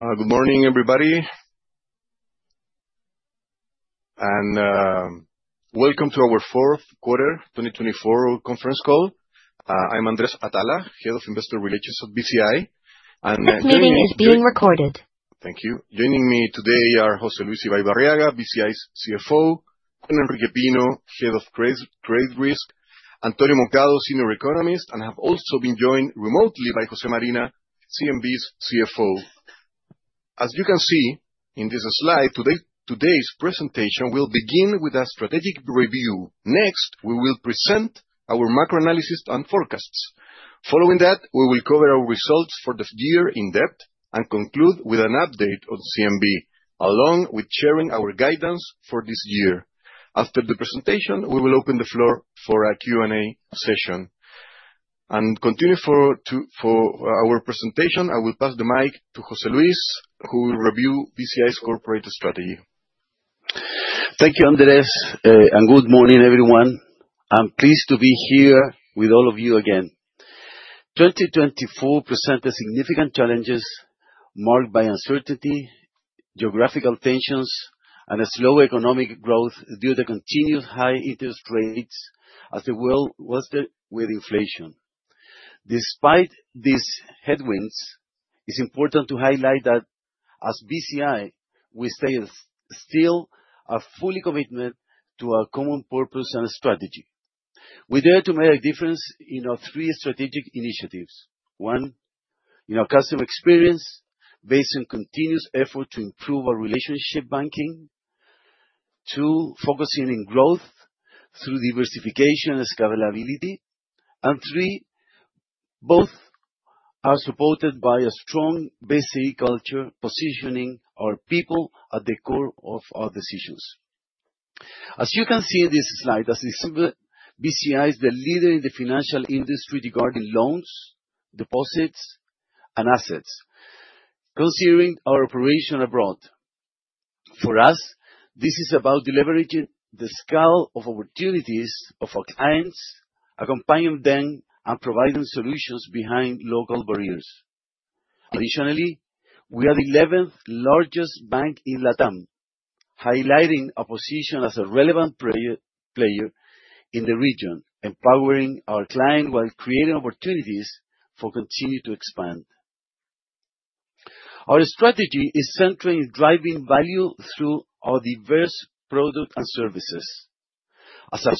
Good morning, everybody. Welcome to our fourth quarter 2024 conference call. I'm Andrés Atala, Head of Investor Relations at BCI, and joining me- This meeting is being recorded. Thank you. Joining me today are José Luis Ibaibarriaga, BCI's CFO, Juan Enrique Pino, Head of Credit Risk, Antonio Moncada, Senior Economist, and I have also been joined remotely by Jose Marina, CNB's CFO. As you can see in this slide, today's presentation will begin with a strategic review. Next, we will present our macro-analysis and forecasts. Following that, we will cover our results for this year in depth and conclude with an update on CNB, along with sharing our guidance for this year. After the presentation, we will open the floor for a Q&A session. For our presentation, I will pass the mic to José Luis Ibaibarriaga, who will review BCI's corporate strategy. Thank you, Andrés, and good morning, everyone. I'm pleased to be here with all of you again. 2024 presented significant challenges marked by uncertainty, geopolitical tensions, and a slow economic growth due to continued high interest rates as the world wrestles with inflation. Despite these headwinds, it's important to highlight that as BCI, we stay still, fully committed to our common purpose and strategy. We're here to make a difference in our three strategic initiatives. One, in our customer experience based on continuous effort to improve our relationship banking. Two, focusing on growth through diversification and scalability. And three, both are supported by a strong BCI culture, positioning our people at the core of our decisions. As you can see in this slide, BCI is the leader in the financial industry regarding loans, deposits, and assets, considering our operation abroad. For us, this is about leveraging the scale of opportunities of our clients, accompanying them, and providing solutions behind local barriers. Additionally, we are the 11th largest bank in LATAM, highlighting our position as a relevant player in the region, empowering our client while creating opportunities for continue to expand. Our strategy is centered in driving value through our diverse products and services. As such,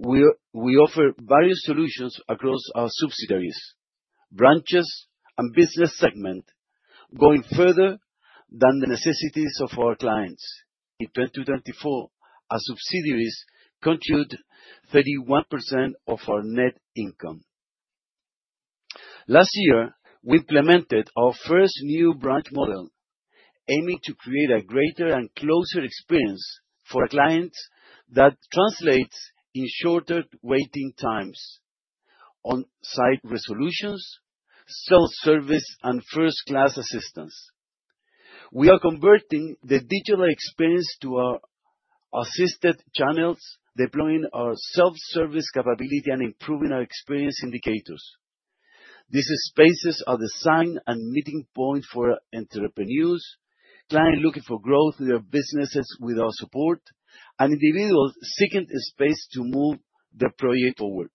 we offer various solutions across our subsidiaries, branches, and business segment, going further than the necessities of our clients. In 2024, our subsidiaries contributed 31% of our net income. Last year, we implemented our first new branch model, aiming to create a greater and closer experience for our clients that translates in shorter waiting times, on-site resolutions, self-service, and first-class assistance. We are converting the digital experience to our assisted channels, deploying our self-service capability and improving our experience indicators. These spaces are the sign and meeting point for entrepreneurs, clients looking for growth in their businesses with our support, and individuals seeking a space to move their project forward.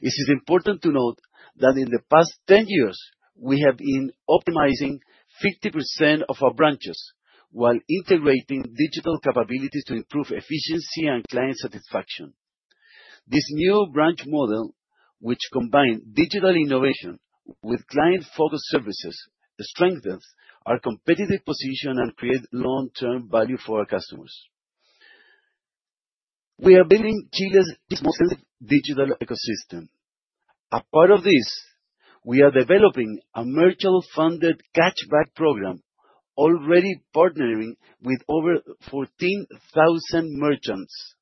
It is important to note that in the past 10 years, we have been optimizing 50% of our branches while integrating digital capabilities to improve efficiency and client satisfaction. This new branch model, which combines digital innovation with client-focused services, strengthens our competitive position and creates long-term value for our customers. We are building Chile's most digital ecosystem. A part of this, we are developing a merchant-funded cashback program, already partnering with over 14,000 merchants.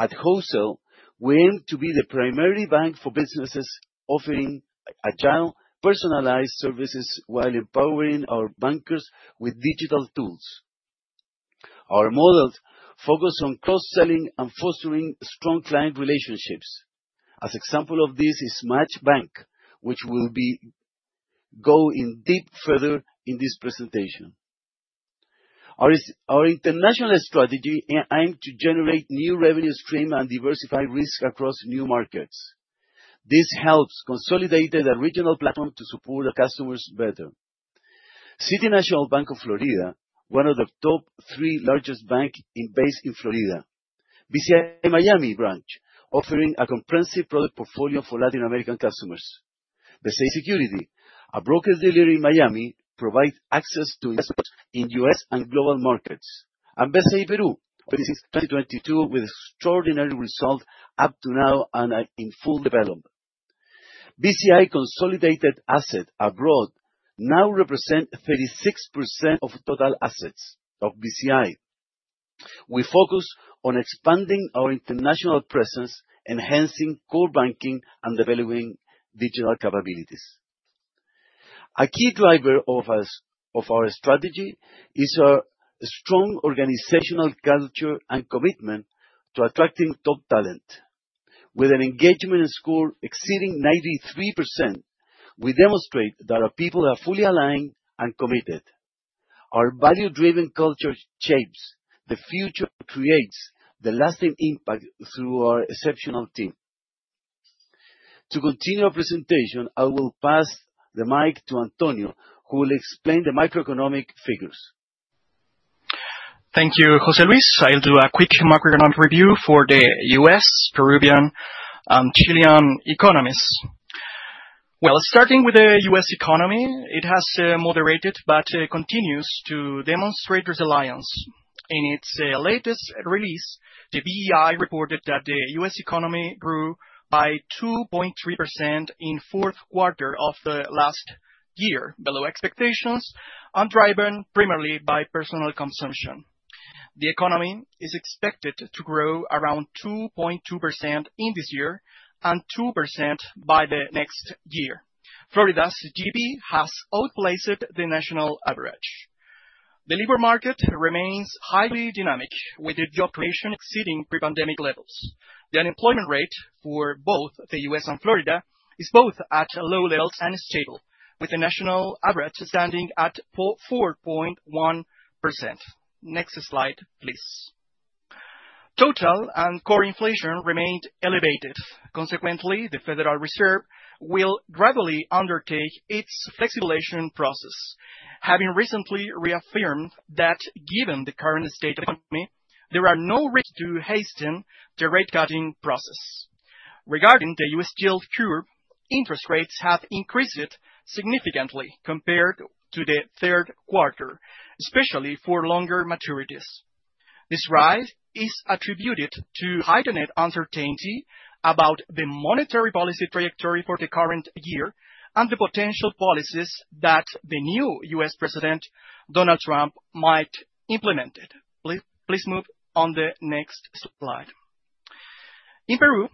At wholesale, we aim to be the primary bank for businesses offering agile, personalized services while empowering our bankers with digital tools. Our models focus on cross-selling and fostering strong client relationships. An example of this is MACH Bank, which we'll be going deeper in this presentation. Our international strategy aimed to generate new revenue stream and diversify risk across new markets. This helps consolidate a regional platform to support the customers better. City National Bank of Florida, one of the top three largest banks based in Florida. BCI Miami branch, offering a comprehensive product portfolio for Latin American customers. Bci Securities, a broker-dealer in Miami, provides access to investors in U.S. and global markets. BCI Perú, opening in 2022 with extraordinary results up to now and are in full development. BCI consolidated asset abroad now represent 36% of total assets of BCI. We focus on expanding our international presence, enhancing core banking, and developing digital capabilities. A key driver of our strategy is our strong organizational culture and commitment to attracting top talent. With an engagement score exceeding 93%, we demonstrate that our people are fully aligned and committed. Our value-driven culture shapes the future, creates the lasting impact through our exceptional team. To continue our presentation, I will pass the mic to Antonio Moncada, who will explain the macroeconomic figures. Thank you, José Luis. I'll do a quick macroeconomic review for the U.S., Peruvian, and Chilean economies. Well, starting with the U.S. economy, it has moderated but continues to demonstrate resilience. In its latest release, the BEA reported that the U.S. economy grew by 2.3% in fourth quarter of the last year, below expectations and driven primarily by personal consumption. The economy is expected to grow around 2.2% in this year and 2% by the next year. Florida's GDP has outpaced the national average. The labor market remains highly dynamic, with the job creation exceeding pre-pandemic levels. The unemployment rate for both the U.S. and Florida is both at low levels and is stable, with the national average standing at 4.1%. Next slide, please. Total and core inflation remained elevated. Consequently, the Federal Reserve will gradually undertake its easing process, having recently reaffirmed that given the current state of the economy, there are no risk to hasten the rate cutting process. Regarding the U.S. yield curve, interest rates have increased significantly compared to the third quarter, especially for longer maturities. This rise is attributed to heightened uncertainty about the monetary policy trajectory for the current year and the potential policies that the new U.S. President, Donald Trump, might implement it. Please move on to the next slide. In Peru,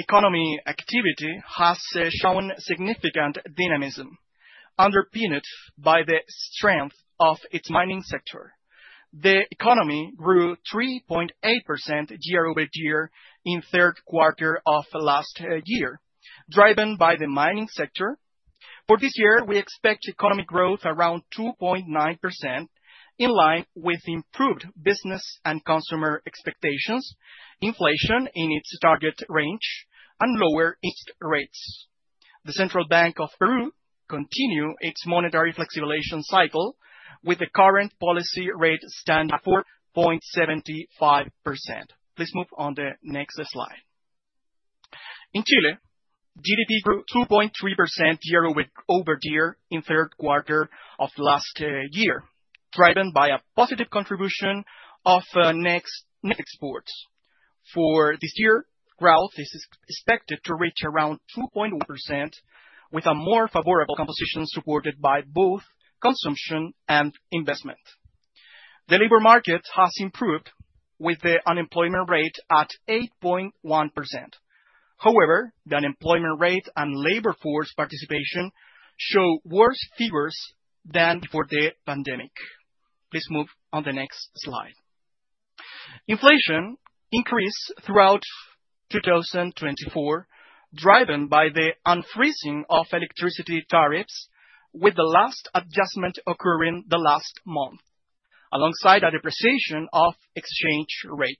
economic activity has shown significant dynamism, underpinned by the strength of its mining sector. The economy grew 3.8% year-over-year in third quarter of last year, driven by the mining sector. For this year, we expect economic growth around 2.9%, in line with improved business and consumer expectations, inflation in its target range, and lower interest rates. The Central Reserve Bank of Peru continue its monetary flexibilization cycle, with the current policy rate standing at 4.75%. Please move on the next slide. In Chile, GDP grew 2.3% year-over-year in third quarter of last year, driven by a positive contribution of net exports. For this year, growth is expected to reach around 2.1% with a more favorable composition supported by both consumption and investment. The labor market has improved with the unemployment rate at 8.1%. However, the unemployment rate and labor force participation show worse figures than before the pandemic. Please move on the next slide. Inflation increased throughout 2024, driven by the unfreezing of electricity tariffs, with the last adjustment occurring the last month, alongside a depreciation of exchange rate.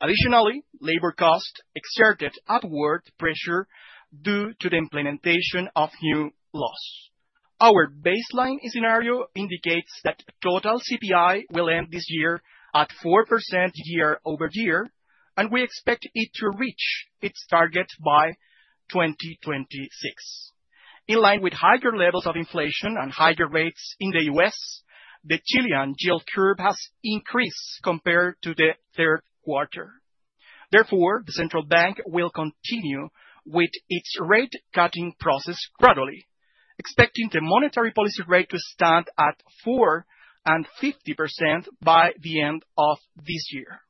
Additionally, labor cost exerted upward pressure due to the implementation of new laws. Our baseline scenario indicates that total CPI will end this year at 4% year-over-year, and we expect it to reach its target by 2026. In line with higher levels of inflation and higher rates in the U.S., the Chilean yield curve has increased compared to the third quarter. Therefore, the Central Bank will continue with its rate cutting process gradually, expecting the monetary policy rate to stand at 4.5% by the end of this year.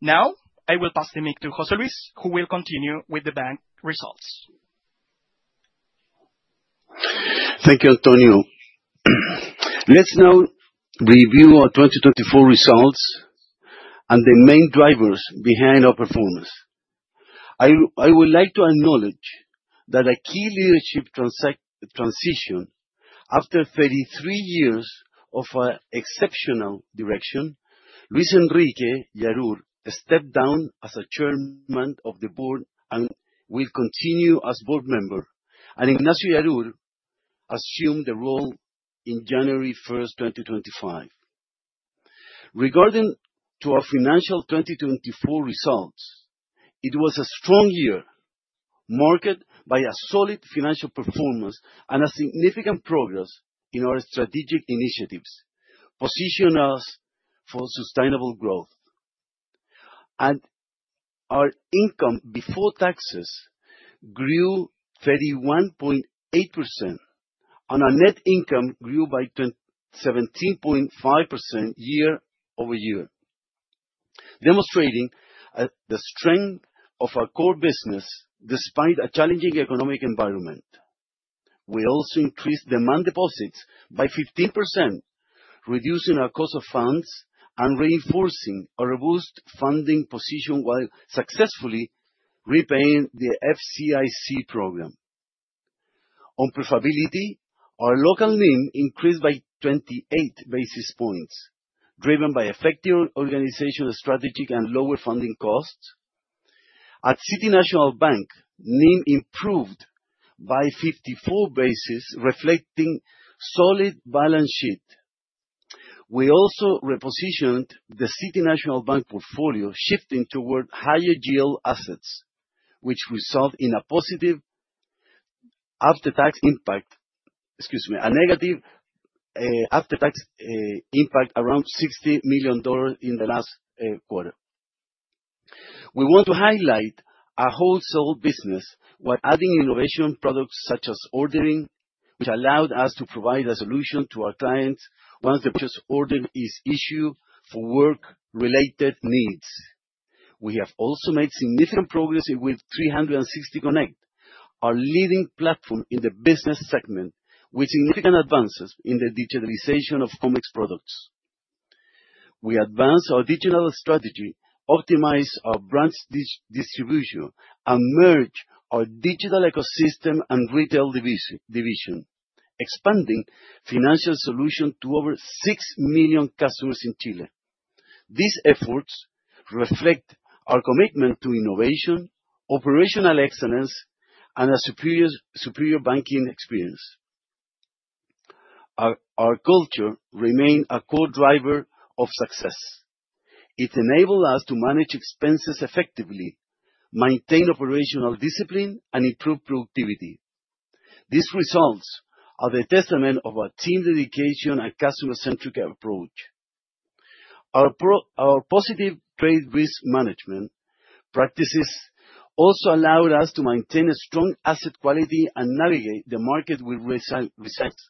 Now, I will pass the mic to José Luis, who will continue with the bank results. Thank you, Antonio. Let's now review our 2024 results and the main drivers behind our performance. I would like to acknowledge that a key leadership transition after 33 years of exceptional direction, Luis Enrique Yarur stepped down as Chairman of the Board and will continue as Board member, and Ignacio Yarur assumed the role in January 1st, 2025. Regarding our financial 2024 results, it was a strong year, marked by a solid financial performance and a significant progress in our strategic initiatives, position us for sustainable growth. Our income before taxes grew 31.8%, and our net income grew by 17.5% year-over-year, demonstrating the strength of our core business despite a challenging economic environment. We also increased demand deposits by 15%, reducing our cost of funds and reinforcing our robust funding position while successfully repaying the FCIC program. On profitability, our local NIM increased by 28 basis points, driven by effective origination strategy and lower funding costs. At City National Bank, NIM improved by 54 basis points, reflecting solid balance sheet. We also repositioned the City National Bank portfolio, shifting toward higher yield assets, which result in a negative after-tax impact around $60 million in the last quarter. We want to highlight our wholesale business, while adding innovation products such as Ordering, which allowed us to provide a solution to our clients once the purchase order is issued for work-related needs. We have also made significant progress with 360 Connect, our leading platform in the business segment, with significant advances in the digitalization of Comex products. We advanced our digital strategy, optimized our branch distribution, and merged our digital ecosystem and retail division, expanding financial solutions to over 6 million customers in Chile. These efforts reflect our commitment to innovation, operational excellence, and a superior banking experience. Our culture remains a core driver of success. It enables us to manage expenses effectively, maintain operational discipline, and improve productivity. These results are a testament of our team dedication and customer-centric approach. Our positive trade risk management practices also allowed us to maintain a strong asset quality and navigate the market with resilience.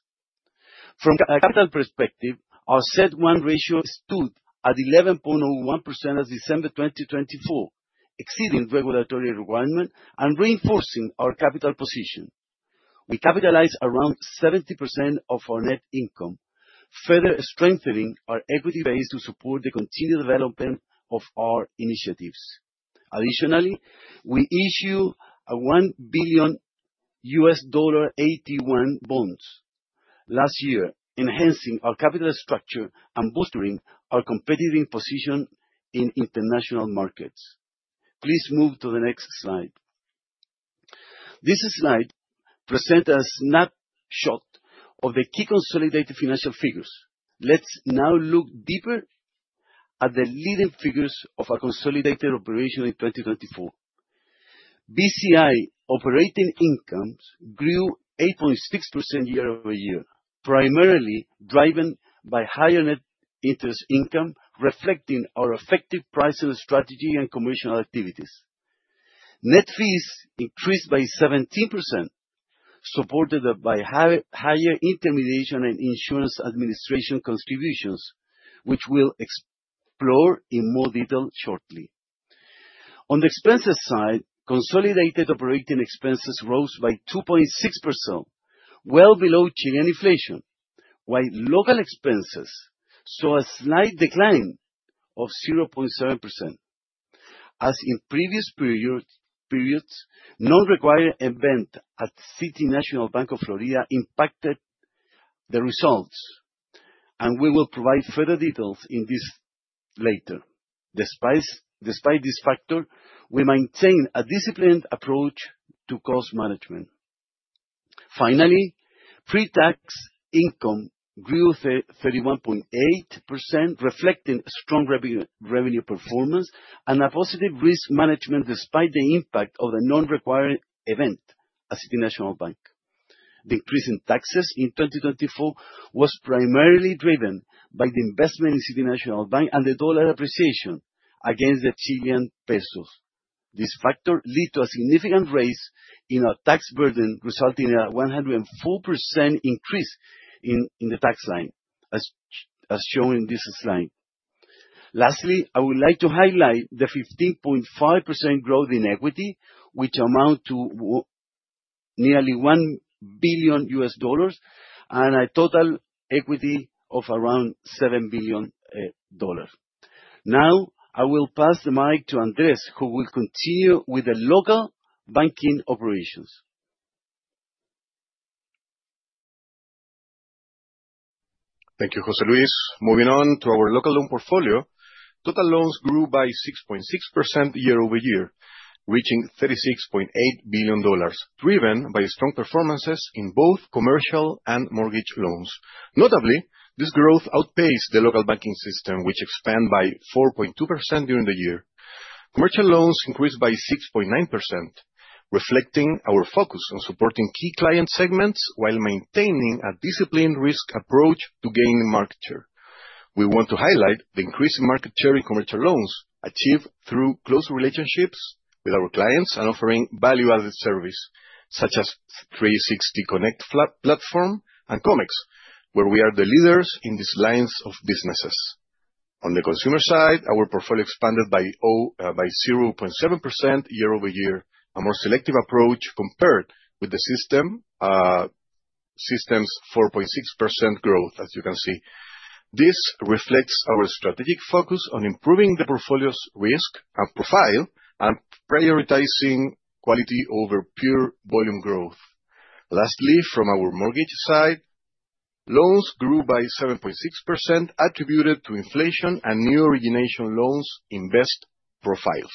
From a capital perspective, our CET1 ratio stood at 11.01% as of December 2024, exceeding regulatory requirement and reinforcing our capital position. We capitalize around 70% of our net income, further strengthening our equity base to support the continued development of our initiatives. Additionally, we issue a $1 billion AT1 bonds last year, enhancing our capital structure and bolstering our competitive position in international markets. Please move to the next slide. This slide present a snapshot of the key consolidated financial figures. Let's now look deeper at the leading figures of our consolidated operation in 2024. BCI operating incomes grew 8.6% year-over-year, primarily driven by higher net interest income, reflecting our effective pricing strategy and commercial activities. Net fees increased by 17%, supported by higher intermediation and insurance administration contributions, which we'll explore in more detail shortly. On the expenses side, consolidated operating expenses rose by 2.6%, well below Chilean inflation, while local expenses saw a slight decline of 0.7%. As in previous periods, non-recurring event at City National Bank of Florida impacted the results, and we will provide further details on this later. Despite this factor, we maintain a disciplined approach to cost management. Finally, pre-tax income grew 31.8%, reflecting strong revenue performance and a positive risk management, despite the impact of the non-recurring event at City National Bank. The increase in taxes in 2024 was primarily driven by the investment in City National Bank and the dollar appreciation against the Chilean peso. This factor led to a significant rise in our tax burden, resulting in a 104% increase in the tax line, as shown in this slide. I would like to highlight the 15.5% growth in equity, which amounts to nearly $1 billion and a total equity of around $7 billion. Now, I will pass the mic to Andrés, who will continue with the local banking operations. Thank you, José Luis. Moving on to our local loan portfolio. Total loans grew by 6.6% year-over-year, reaching $36.8 billion, driven by strong performances in both commercial and mortgage loans. Notably, this growth outpaced the local banking system, which expanded by 4.2% during the year. Commercial loans increased by 6.9%, reflecting our focus on supporting key client segments while maintaining a disciplined risk approach to gaining market share. We want to highlight the increase in market share in commercial loans achieved through close relationships with our clients and offering value-added service such as 360 Connect platform and Comex, where we are the leaders in these lines of businesses. On the consumer side, our portfolio expanded by by 0.7% year-over-year. A more selective approach compared with the system's 4.6% growth, as you can see. This reflects our strategic focus on improving the portfolio's risk and profile and prioritizing quality over pure volume growth. Lastly, from our mortgage side, loans grew by 7.6% attributed to inflation and new origination loans in best profiles.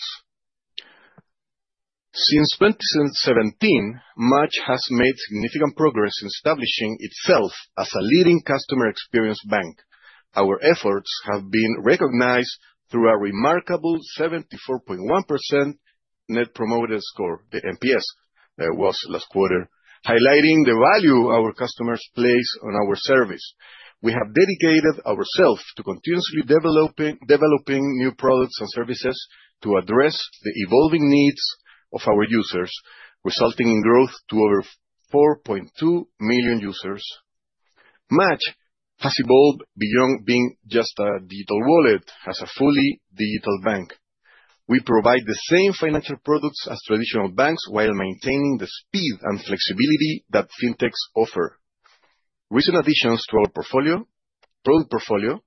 Since 2017, MACH has made significant progress in establishing itself as a leading customer experience bank. Our efforts have been recognized through our remarkable 74.1% Net Promoter Score, the NPS, that was last quarter, highlighting the value our customers place on our service. We have dedicated ourselves to continuously developing new products and services to address the evolving needs of our users, resulting in growth to over 4.2 million users. MACH has evolved beyond being just a digital wallet as a fully digital bank. We provide the same financial products as traditional banks while maintaining the speed and flexibility that fintechs offer. Recent additions to our product portfolio,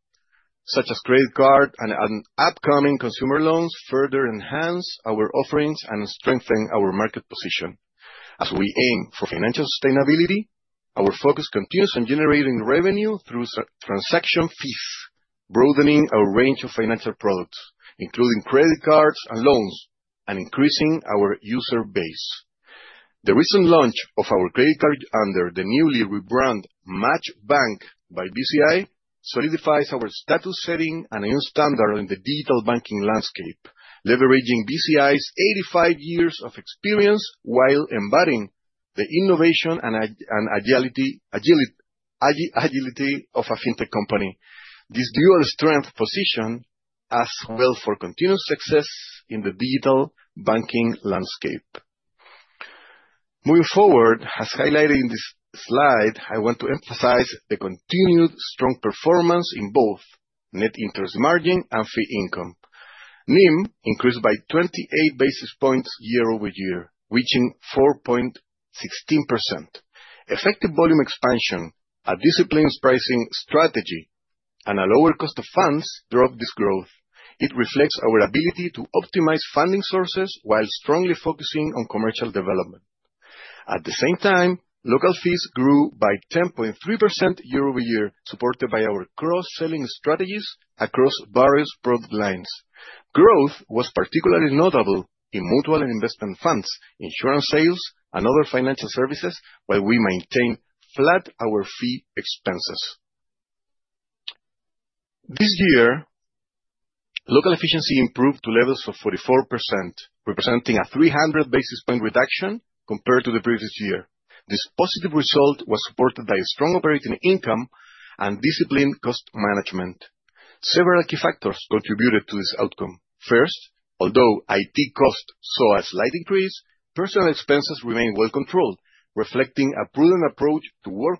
such as credit card and upcoming consumer loans, further enhance our offerings and strengthen our market position. As we aim for financial sustainability, our focus continues on generating revenue through transaction fees, broadening our range of financial products, including credit cards and loans, and increasing our user base. The recent launch of our credit card under the newly rebranded MACH Bank by BCI solidifies our status, setting a new standard in the digital banking landscape, leveraging BCI's 85 years of experience while embodying the innovation and agility of a fintech company. This dual strength positions us well for continued success in the digital banking landscape. Moving forward, as highlighted in this slide, I want to emphasize the continued strong performance in both net interest margin and fee income. NIM increased by 28 basis points year-over-year, reaching 4.16%. Effective volume expansion, a disciplined pricing strategy, and a lower cost of funds drove this growth. It reflects our ability to optimize funding sources while strongly focusing on commercial development. At the same time, local fees grew by 10.3% year-over-year, supported by our cross-selling strategies across various product lines. Growth was particularly notable in mutual and investment funds, insurance sales, and other financial services, while we maintain flat our fee expenses. This year, local efficiency improved to levels of 44%, representing a 300 basis point reduction compared to the previous year. This positive result was supported by a strong operating income and disciplined cost management. Several key factors contributed to this outcome. First, although IT costs saw a slight increase, personal expenses remained well controlled, reflecting a prudent approach to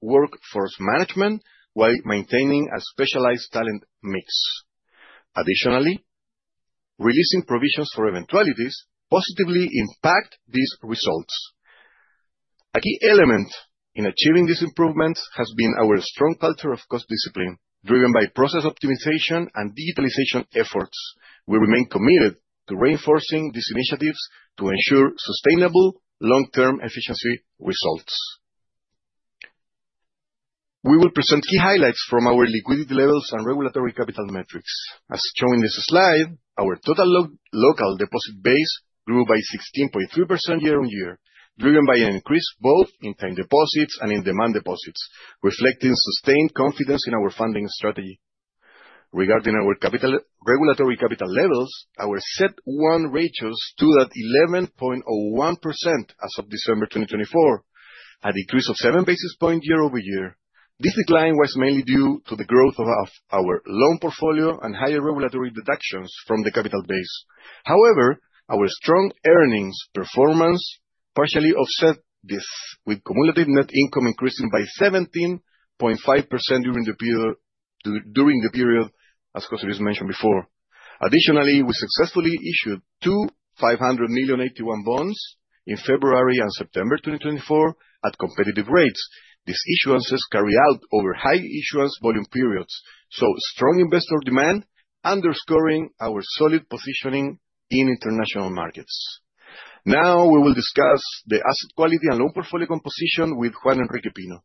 workforce management while maintaining a specialized talent mix. Additionally, releasing provisions for eventualities positively impact these results. A key element in achieving these improvements has been our strong culture of cost discipline, driven by process optimization and digitalization efforts. We remain committed to reinforcing these initiatives to ensure sustainable long-term efficiency results. We will present key highlights from our liquidity levels and regulatory capital metrics. As shown in this slide, our total local deposit base grew by 16.3% year-on-year, driven by an increase both in time deposits and in demand deposits, reflecting sustained confidence in our funding strategy. Regarding our capital, regulatory capital levels, our CET1 ratios stood at 11.01% as of December 2024, a decrease of seven basis points year-over-year. This decline was mainly due to the growth of our loan portfolio and higher regulatory deductions from the capital base. However, our strong earnings performance partially offset this, with cumulative net income increasing by 17.5% during the period, during the period, as José Luis mentioned before. Additionally, we successfully issued two $500 million AT1 bonds in February and September 2024 at competitive rates. These issuances came out over high issuance volume periods, showing strong investor demand underscoring our solid positioning in international markets. Now we will discuss the asset quality and loan portfolio composition with Juan Enrique Pino.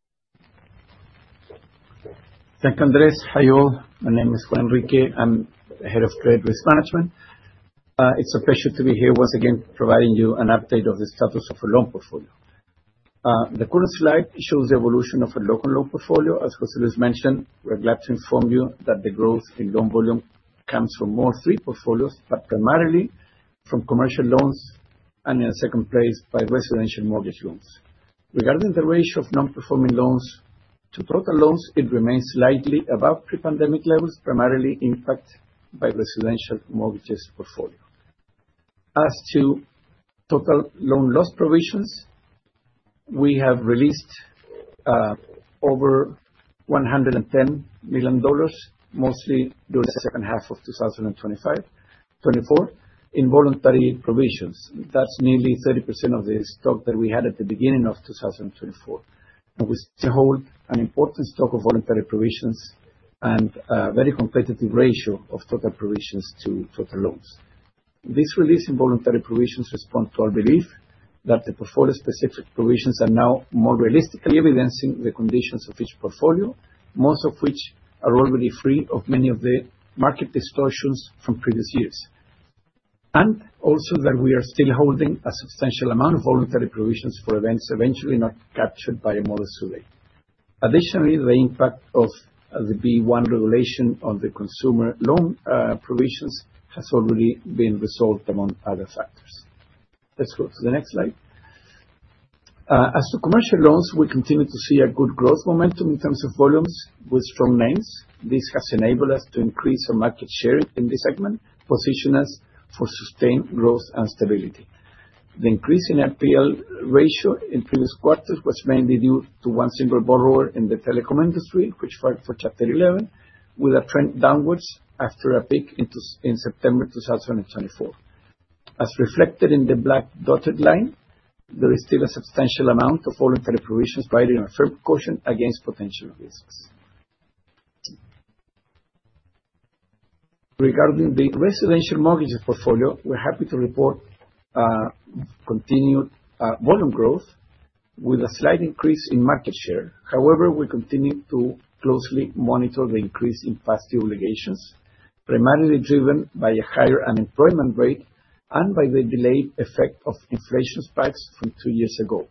Thank you, Andres. Hi, all. My name is Juan Enrique. I'm Head of Credit Risk Management. It's a pleasure to be here once again, providing you an update of the status of the loan portfolio. The current slide shows the evolution of the local loan portfolio. As Jose Luis mentioned, we're glad to inform you that the growth in loan volume comes from all three portfolios, but primarily from commercial loans and in second place by residential mortgage loans. Regarding the ratio of non-performing loans to total loans, it remains slightly above pre-pandemic levels, primarily impacted by residential mortgages portfolio. As to total loan loss provisions, we have released over $110 million, mostly during the second half of 2024, in voluntary provisions. That's nearly 30% of the stock that we had at the beginning of 2024. We still hold an important stock of voluntary provisions and a very competitive ratio of total provisions to total loans. This release in voluntary provisions responds to our belief that the portfolio-specific provisions are now more realistically evidencing the conditions of each portfolio, most of which are already free of many of the market distortions from previous years. Also that we are still holding a substantial amount of voluntary provisions for events eventually not captured by a model survey. Additionally, the impact of the Basel I regulation on the consumer loan provisions has already been resolved among other factors. Let's go to the next slide. As to commercial loans, we continue to see a good growth momentum in terms of volumes with strong names. This has enabled us to increase our market share in this segment, position us for sustained growth and stability. The increase in NPL ratio in previous quarters was mainly due to one single borrower in the telecom industry, which filed for Chapter 11, with a trend downwards after a peak in September 2024. As reflected in the black dotted line, there is still a substantial amount of voluntary provisions riding on firm caution against potential risks. Regarding the residential mortgage portfolio, we're happy to report continued volume growth with a slight increase in market share. However, we continue to closely monitor the increase in past due obligations, primarily driven by a higher unemployment rate and by the delayed effect of inflation spikes from two years ago.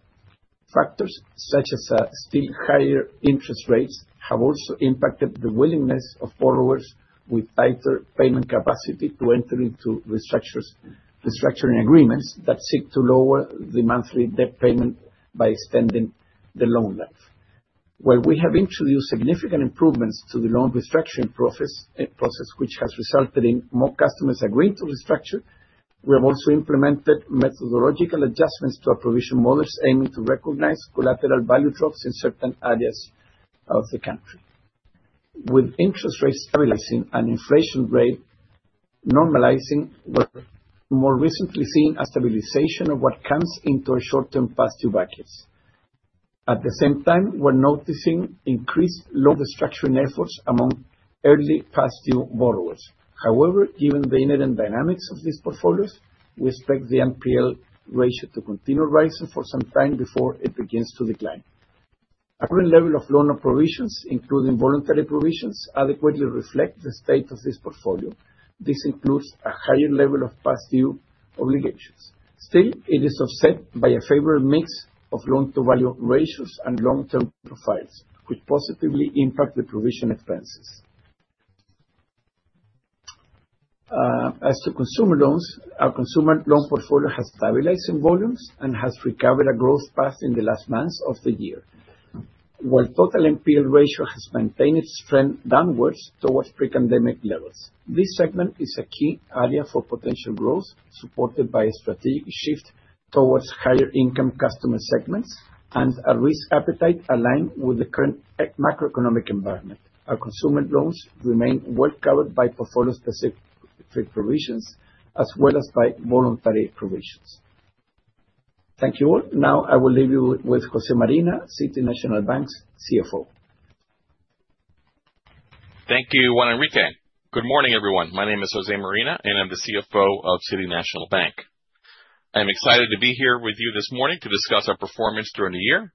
Factors such as still higher interest rates have also impacted the willingness of borrowers with tighter payment capacity to enter into restructuring agreements that seek to lower the monthly debt payment by extending the loan length. Where we have introduced significant improvements to the loan restructuring process, which has resulted in more customers agreeing to restructure, we have also implemented methodological adjustments to our provision models aiming to recognize collateral value drops in certain areas of the country. With interest rates stabilizing and inflation rate normalizing, we're more recently seeing a stabilization of what comes into our short-term past due buckets. At the same time, we're noticing increased loan restructuring efforts among early past due borrowers. However, given the inherent dynamics of these portfolios, we expect the NPL ratio to continue rising for some time before it begins to decline. Our current level of loan provisions, including voluntary provisions, adequately reflect the state of this portfolio. This includes a higher level of past due obligations. Still, it is offset by a favorable mix of loan-to-value ratios and long-term profiles, which positively impact the provision expenses. As to consumer loans, our consumer loan portfolio has stabilized in volumes and has recovered a growth path in the last months of the year. While total NPL ratio has maintained its trend downwards towards pre-pandemic levels, this segment is a key area for potential growth, supported by a strategic shift towards higher income customer segments and a risk appetite aligned with the current macroeconomic environment. Our consumer loans remain well covered by portfolio-specific provisions as well as by voluntary provisions. Thank you all. Now I will leave you with Jose Marina, City National Bank's CFO. Thank you, Juan Enrique. Good morning, everyone. My name is Jose Marina, and I'm the CFO of City National Bank. I'm excited to be here with you this morning to discuss our performance during the year.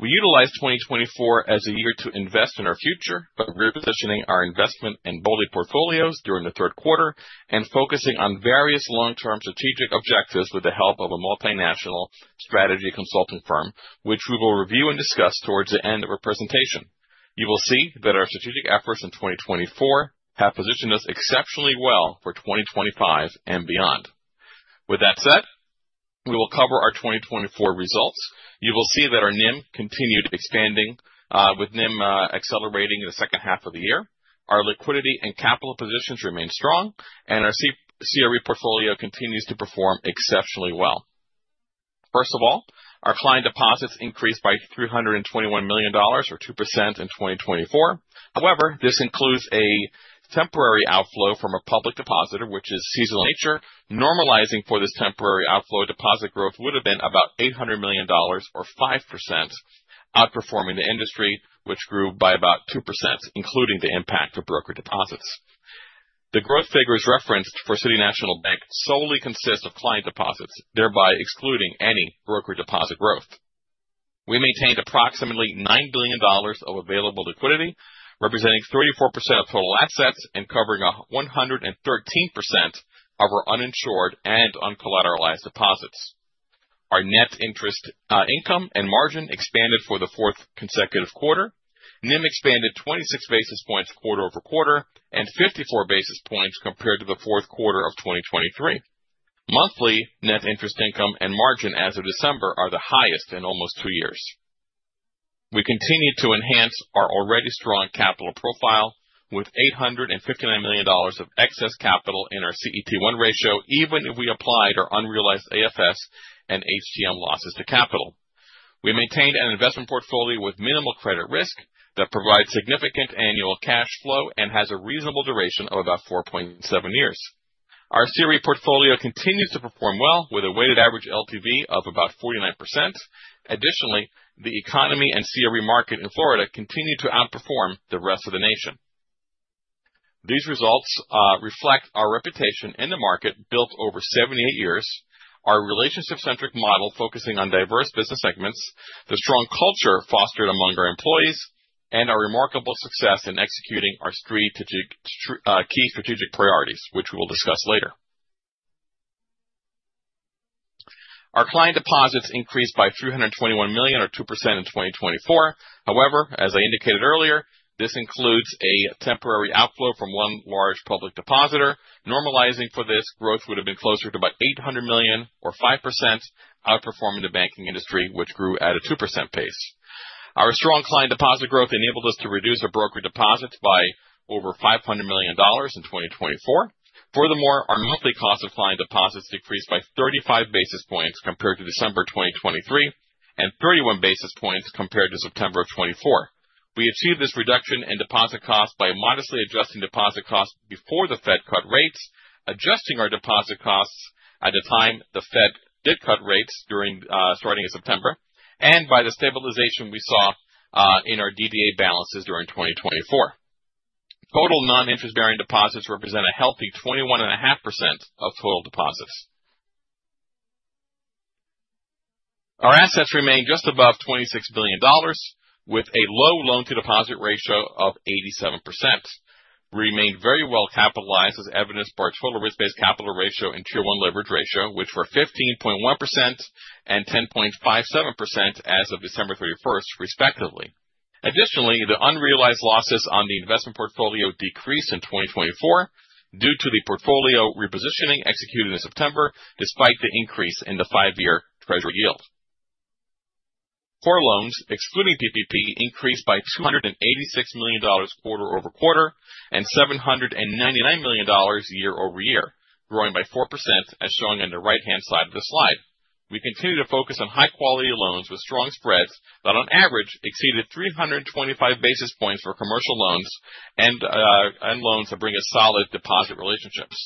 We utilized 2024 as a year to invest in our future by repositioning our investment in bond portfolios during the third quarter and focusing on various long-term strategic objectives with the help of a multinational strategy consultant firm, which we will review and discuss towards the end of our presentation. You will see that our strategic efforts in 2024 have positioned us exceptionally well for 2025 and beyond. With that said, we will cover our 2024 results. You will see that our NIM continued expanding with NIM accelerating in the second half of the year. Our liquidity and capital positions remain strong, and our CRE portfolio continues to perform exceptionally well. Our client deposits increased by $321 million or 2% in 2024. However, this includes a temporary outflow from a public depositor which is seasonal in nature. Normalizing for this temporary outflow deposit growth would have been about $800 million or 5% outperforming the industry, which grew by about 2%, including the impact of broker deposits. The growth figures referenced for City National Bank solely consist of client deposits, thereby excluding any broker deposit growth. We maintained approximately $9 billion of available liquidity, representing 34% of total assets and covering 113% of our uninsured and uncollateralized deposits. Our net interest income and margin expanded for the fourth consecutive quarter. NIM expanded 26 basis points quarter-over-quarter and 54 basis points compared to the fourth quarter of 2023. Monthly net interest income and margin as of December are the highest in almost two years. We continue to enhance our already strong capital profile with $859 million of excess capital in our CET1 ratio even if we applied our unrealized AFS and HTM losses to capital. We maintained an investment portfolio with minimal credit risk that provides significant annual cash flow and has a reasonable duration of about 4.7 years. Our CRE portfolio continues to perform well with a weighted average LTV of about 49%. Additionally, the economy and CRE market in Florida continue to outperform the rest of the nation. These results reflect our reputation in the market built over 78 years, our relationship-centric model focusing on diverse business segments, the strong culture fostered among our employees, and our remarkable success in executing our key strategic priorities, which we'll discuss later. Our client deposits increased by 321 million or 2% in 2024. However, as I indicated earlier, this includes a temporary outflow from one large public depositor. Normalizing for this growth would have been closer to about 800 million or 5%, outperforming the banking industry, which grew at a 2% pace. Our strong client deposit growth enabled us to reduce our broker deposits by over $500 million in 2024. Furthermore, our monthly cost of client deposits decreased by 35 basis points compared to December 2023 and 31 basis points compared to September of 2024. We achieved this reduction in deposit costs by modestly adjusting deposit costs before the Fed cut rates, adjusting our deposit costs at the time the Fed did cut rates during starting in September, and by the stabilization we saw in our DDA balances during 2024. Total non-interest-bearing deposits represent a healthy 21.5% of total deposits. Our assets remain just above $26 billion with a low loan to deposit ratio of 87%. We remain very well capitalized as evidenced by our total risk-based capital ratio and Tier One leverage ratio, which were 15.1% and 10.57% as of December 31st, respectively. Additionally, the unrealized losses on the investment portfolio decreased in 2024 due to the portfolio repositioning executed in September despite the increase in the five-year Treasury yield. Core loans, excluding PPP, increased by $286 million quarter-over-quarter and $799 million year-over-year, growing by 4% as shown on the right-hand side of the slide. We continue to focus on high quality loans with strong spreads that on average exceeded 325 basis points for commercial loans and loans that bring us solid deposit relationships.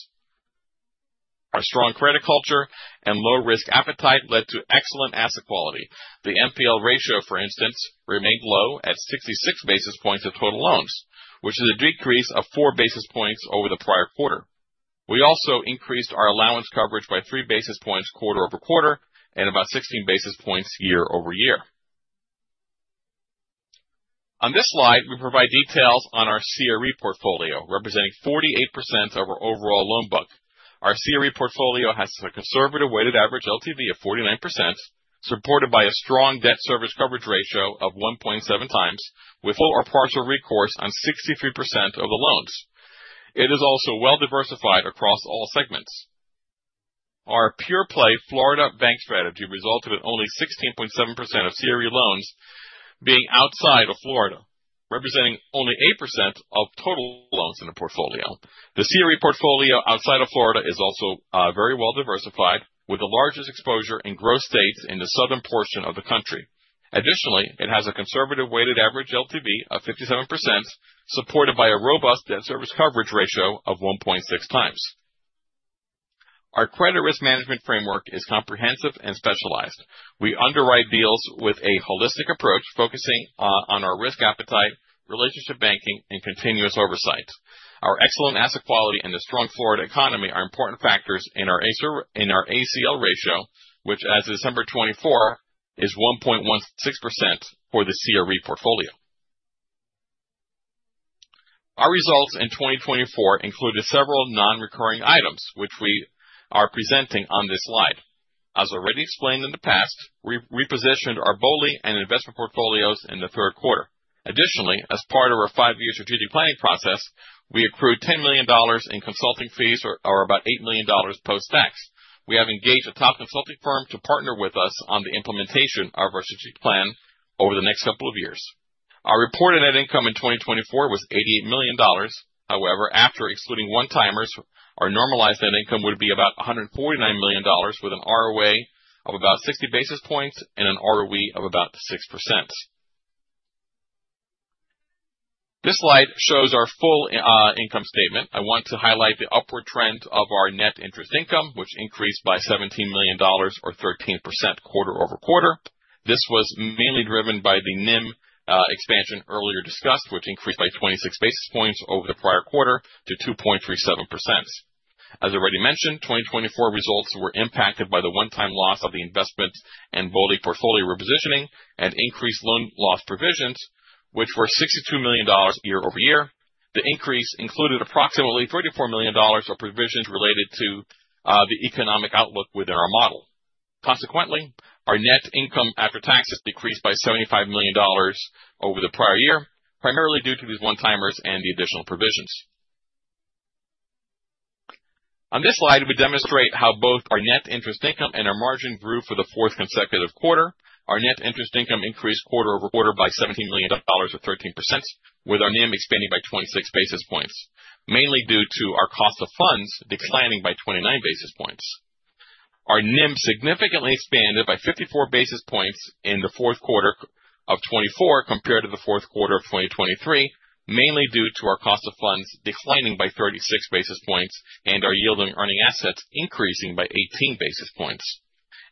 Our strong credit culture and low risk appetite led to excellent asset quality. The NPL ratio, for instance, remained low at 66 basis points of total loans, which is a decrease of four basis points over the prior quarter. We also increased our allowance coverage by three basis points quarter-over-quarter and about 16 basis points year-over-year. On this slide, we provide details on our CRE portfolio, representing 48% of our overall loan book. Our CRE portfolio has a conservative weighted average LTV of 49%, supported by a strong debt service coverage ratio of 1.7 with full or partial recourse on 63% of the loans. It is also well diversified across all segments. Our pure play Florida bank strategy resulted in only 16.7% of CRE loans being outside of Florida, representing only 8% of total loans in the portfolio. The CRE portfolio outside of Florida is also very well diversified, with the largest exposure in Gulf states in the southern portion of the country. Additionally, it has a conservative weighted average LTV of 57%, supported by a robust debt service coverage ratio of 1.6x. Our credit risk management framework is comprehensive and specialized. We underwrite deals with a holistic approach, focusing on our risk appetite, relationship banking, and continuous oversight. Our excellent asset quality and the strong Florida economy are important factors in our ACL ratio, which as of December 2024 is 1.16% for the CRE portfolio. Our results in 2024 included several non-recurring items which we are presenting on this slide. As already explained in the past, we repositioned our BOLI and investment portfolios in the third quarter. Additionally, as part of our five-year strategic planning process, we accrued $10 million in consulting fees or about $8 million post-tax. We have engaged a top consulting firm to partner with us on the implementation of our strategic plan over the next couple of years. Our reported net income in 2024 was $88 million. However, after excluding one-timers, our normalized net income would be about $149 million with an ROA of about 60 basis points and an ROE of about 6%. This slide shows our full income statement. I want to highlight the upward trend of our net interest income, which increased by $17 million or 13% quarter-over-quarter. This was mainly driven by the NIM expansion earlier discussed, which increased by 26 basis points over the prior quarter to 2.37%. As already mentioned, 2024 results were impacted by the one-time loss of the investment and BOLI portfolio repositioning and increased loan loss provisions, which were $62 million year-over-year. The increase included approximately $34 million of provisions related to the economic outlook within our model. Consequently, our net income after taxes decreased by $75 million over the prior year, primarily due to these one-timers and the additional provisions. On this slide, we demonstrate how both our net interest income and our margin grew for the fourth consecutive quarter. Our net interest income increased quarter-over-quarter by $17 million or 13%, with our NIM expanding by 26 basis points, mainly due to our cost of funds declining by 29 basis points. Our NIM significantly expanded by 54 basis points in the fourth quarter of 2024 compared to the fourth quarter of 2023, mainly due to our cost of funds declining by 36 basis points and our yield on earning assets increasing by 18 basis points.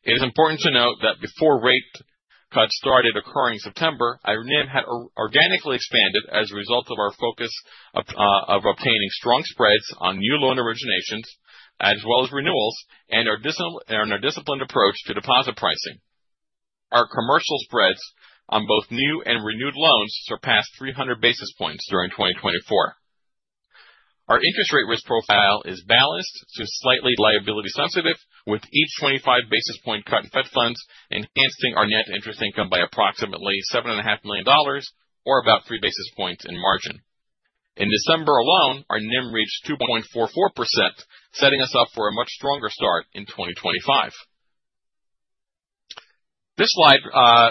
It is important to note that before rate cuts started occurring September, our NIM had organically expanded as a result of our focus of obtaining strong spreads on new loan originations as well as renewals and our disciplined approach to deposit pricing. Our commercial spreads on both new and renewed loans surpassed 300 basis points during 2024. Our interest rate risk profile is balanced to slightly liability sensitive, with each 25 basis point cut in Fed funds enhancing our net interest income by approximately $7.5 million or about three basis points in margin. In December alone, our NIM reached 2.44%, setting us up for a much stronger start in 2025. This slide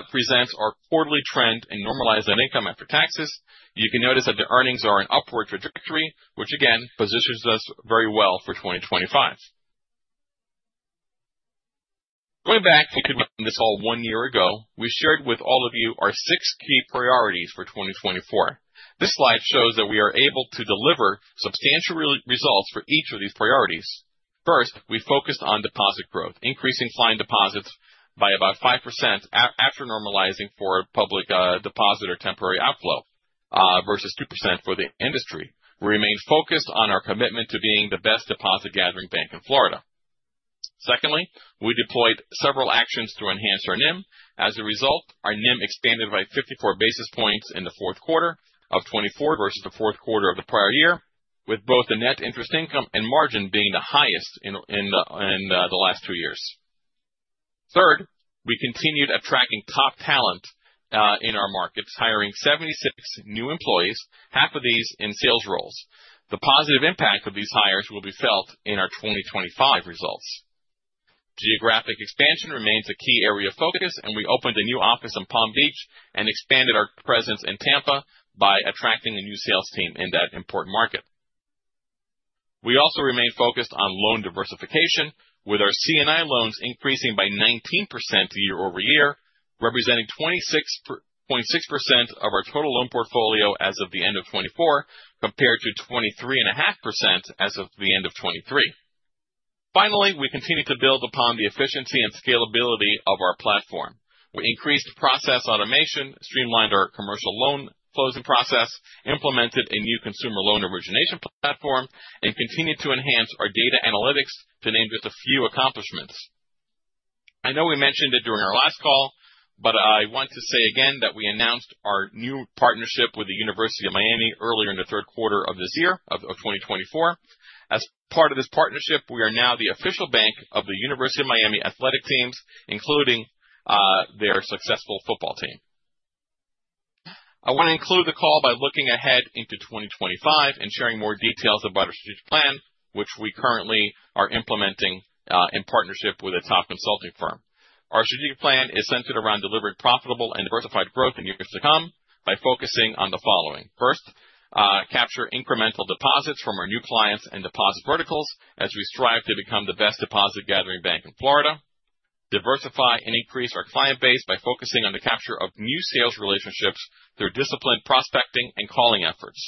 presents our quarterly trend in normalized net income after taxes. You can notice that the earnings are on an upward trajectory, which again positions us very well for 2025. Going back to this, all one year ago, we shared with all of you our six key priorities for 2024. This slide shows that we are able to deliver substantial results for each of these priorities. First, we focused on deposit growth, increasing client deposits by about 5% after normalizing for public deposits or temporary outflows versus 2% for the industry. We remain focused on our commitment to being the best deposit gathering bank in Florida. Secondly, we deployed several actions to enhance our NIM. As a result, our NIM expanded by 54 basis points in the fourth quarter of 2024 versus the fourth quarter of the prior year, with both the net interest income and margin being the highest in the last three years. Third, we continued attracting top talent in our markets, hiring 76 new employees, half of these in sales roles. The positive impact of these hires will be felt in our 2025 results. Geographic expansion remains a key area of focus, and we opened a new office in Palm Beach and expanded our presence in Tampa by attracting a new sales team in that important market. We also remain focused on loan diversification, with our C&I loans increasing by 19% year-over-year, representing 26.6% of our total loan portfolio as of the end of 2024, compared to 23.5% as of the end of 2023. Finally, we continue to build upon the efficiency and scalability of our platform. We increased process automation, streamlined our commercial loan closing process, implemented a new consumer loan origination platform, and continued to enhance our data analytics to name just a few accomplishments. I know we mentioned it during our last call, but I want to say again that we announced our new partnership with the University of Miami earlier in the third quarter of this year, 2024. As part of this partnership, we are now the official bank of the University of Miami athletic teams, including their successful football team. I want to conclude the call by looking ahead into 2025 and sharing more details about our strategic plan, which we currently are implementing in partnership with a top consulting firm. Our strategic plan is centered around delivering profitable and diversified growth in years to come by focusing on the following. First, capture incremental deposits from our new clients and deposit verticals as we strive to become the best deposit gathering bank in Florida. Diversify and increase our client base by focusing on the capture of new sales relationships through disciplined prospecting and calling efforts.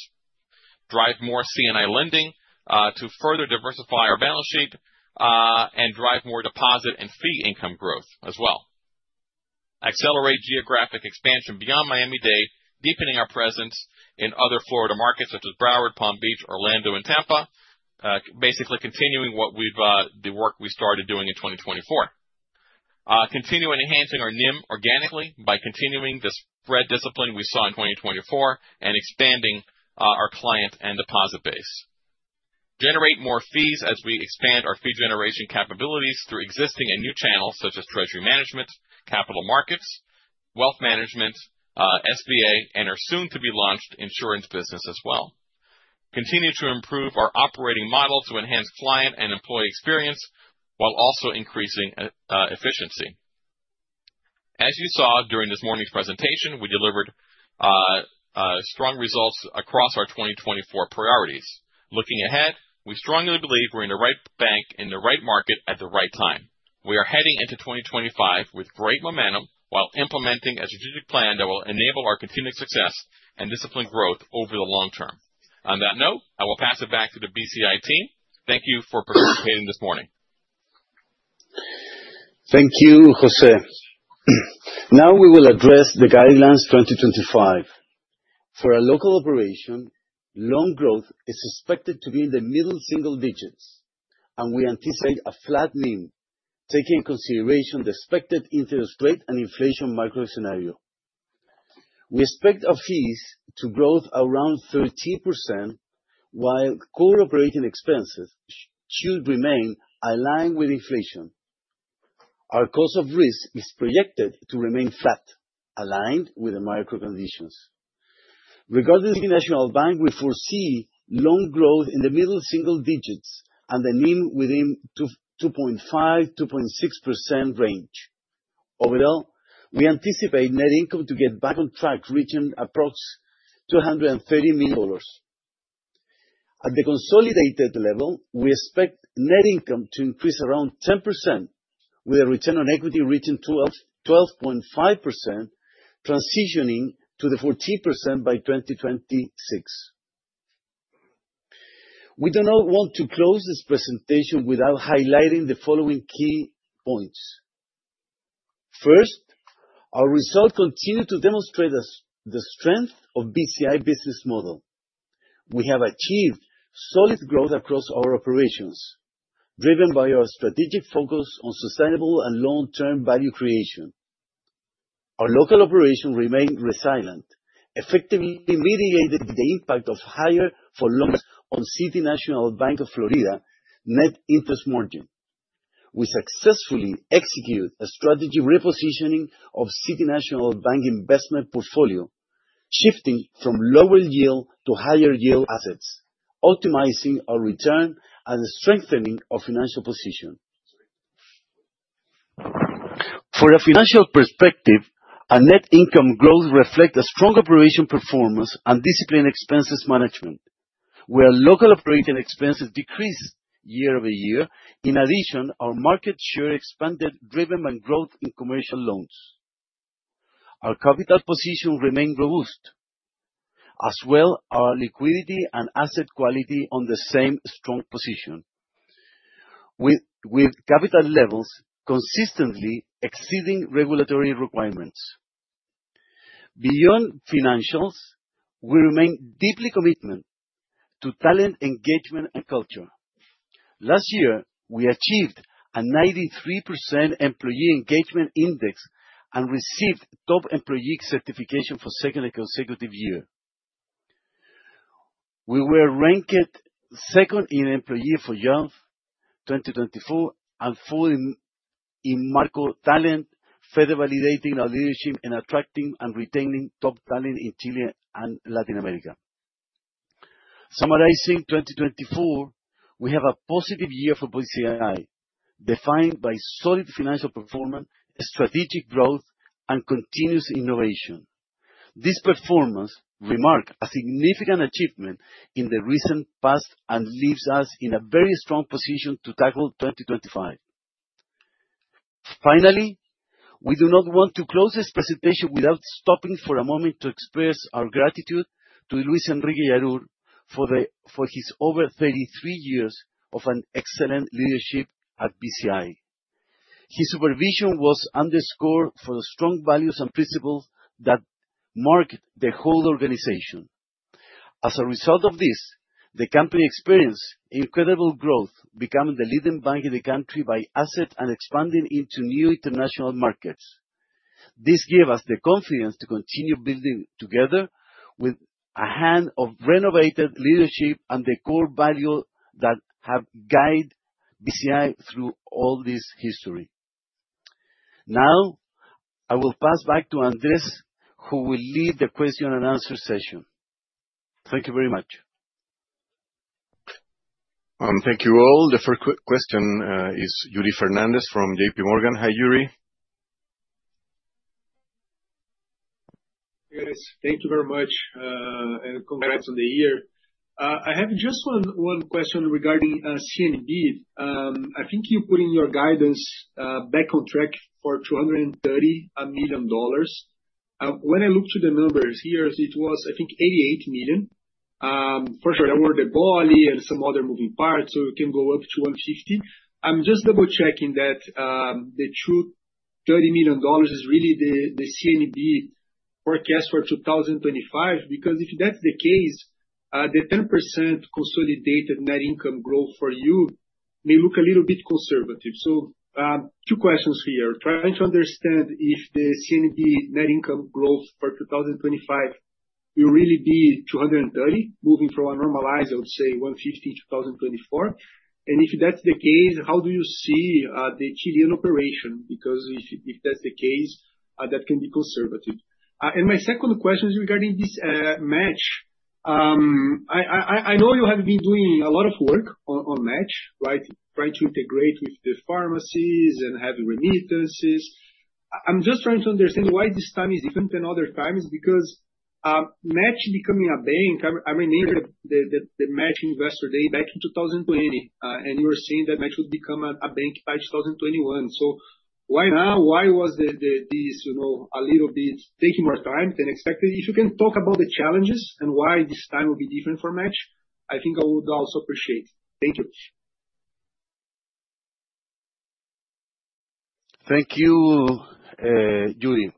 Drive more C&I lending to further diversify our balance sheet and drive more deposit and fee income growth as well. Accelerate geographic expansion beyond Miami-Dade, deepening our presence in other Florida markets such as Broward, Palm Beach, Orlando and Tampa. Basically continuing the work we started doing in 2024. Continue enhancing our NIM organically by continuing the spread discipline we saw in 2024 and expanding our client and deposit base. Generate more fees as we expand our fee generation capabilities through existing and new channels such as treasury management, capital markets, wealth management, SBA, and our soon to be launched insurance business as well. Continue to improve our operating model to enhance client and employee experience while also increasing efficiency. As you saw during this morning's presentation, we delivered strong results across our 2024 priorities. Looking ahead, we strongly believe we're in the right bank, in the right market, at the right time. We are heading into 2025 with great momentum while implementing a strategic plan that will enable our continued success and disciplined growth over the long term. On that note, I will pass it back to the BCI team. Thank you for participating this morning. Thank you, Jose. Now we will address the guidance 2025. For a local operation, loan growth is expected to be in the middle single digits, and we anticipate a flat NIM, taking into consideration the expected interest rate and inflation macro scenario. We expect our fees to grow around 13%, while core operating expenses should remain aligned with inflation. Our cost of risk is projected to remain flat, aligned with the macro conditions. Regarding City National Bank, we foresee loan growth in the middle single digits and the NIM within 2.5%-2.6% range. Overall, we anticipate net income to get back on track, reaching approx $230 million. At the consolidated level, we expect net income to increase around 10% with a return on equity reaching 12%-12.5%, transitioning to 14% by 2026. We do not want to close this presentation without highlighting the following key points. First, our results continue to demonstrate the strength of BCI business model. We have achieved solid growth across our operations, driven by our strategic focus on sustainable and long-term value creation. Our local operation remained resilient, effectively mitigating the impact of higher funding costs on City National Bank of Florida net interest margin. We successfully execute a strategy repositioning of City National Bank investment portfolio, shifting from lower yield to higher yield assets, optimizing our return and strengthening our financial position. From a financial perspective, our net income growth reflect a strong operational performance and disciplined expense management, where local operating expenses decreased year-over-year. In addition, our market share expanded, driven by growth in commercial loans. Our capital position remained robust, as well as our liquidity and asset quality in the same strong position, with capital levels consistently exceeding regulatory requirements. Beyond financials, we remain deeply committed to talent, engagement and culture. Last year, we achieved a 93% employee engagement index and received top employee certification for second consecutive year. We were ranked second in Employers for Youth 2024 and fourth in Merco Talento, further validating our leadership in attracting and retaining top talent in Chile and Latin America. Summarizing 2024, we have a positive year for BCI, defined by solid financial performance, strategic growth, and continuous innovation. This performance marks a significant achievement in the recent past and leaves us in a very strong position to tackle 2025. Finally, we do not want to close this presentation without stopping for a moment to express our gratitude to Luis Enrique Yarur for his over 33 years of an excellent leadership at BCI. His supervision was underscored for the strong values and principles that marked the whole organization. As a result of this, the company experienced incredible growth, becoming the leading bank in the country by assets and expanding into new international markets. This gives us the confidence to continue building together with renewed leadership and the core values that have guided BCI through all this history. Now, I will pass back to Andrés, who will lead the question and answer session. Thank you very much. Thank you all. The first question is Yuri Fernandes from J.P. Morgan. Hi, Yuri. Yes, thank you very much. Congrats on the year. I have just one question regarding CNB. I think you put in your guidance back on track for $230 million. When I look to the numbers, here it was, I think, $88 million. For sure there were the BOLI and some other moving parts, so it can go up to $160 million. I'm just double-checking that the $230 million is really the CNB forecast for 2025. Because if that's the case, the 10% consolidated net income growth for you may look a little bit conservative. Two questions here. Trying to understand if the CNB net income growth for 2025 will really be 230%, moving from a normalized, let's say, 150% 2024. If that's the case, how do you see the Chilean operation? Because if that's the case, that can be conservative. My second question is regarding this MACH. I know you have been doing a lot of work on MACH, right? Trying to integrate with the pharmacies and have remittances. I'm just trying to understand why this time is different than other times. Because MACH becoming a bank, I remember the MACH investor day back in 2020. You were saying that MACH would become a bank by 2021. Why now? Why was this, you know, a little bit taking more time than expected? If you can talk about the challenges and why this time will be different for MACH, I think I would also appreciate. Thank you. Thank you, Yuri.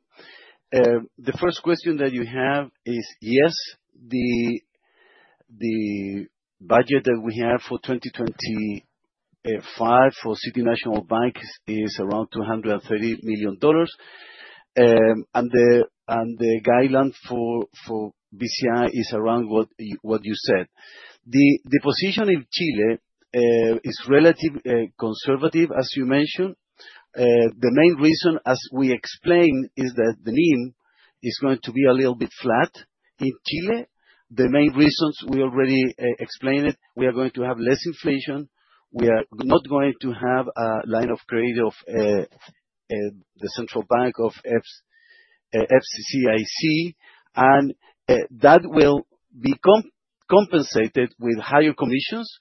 The first question that you have is, yes, the budget that we have for 2025 for City National Bank is around $230 million. The guideline for BCI is around what you said. The position in Chile is relatively conservative, as you mentioned. The main reason, as we explained, is that the NIM is going to be a little bit flat in Chile. The main reasons, we already explained it, we are going to have less inflation. We are not going to have a line of credit of the Central Bank's FCIC, and that will be compensated with higher commissions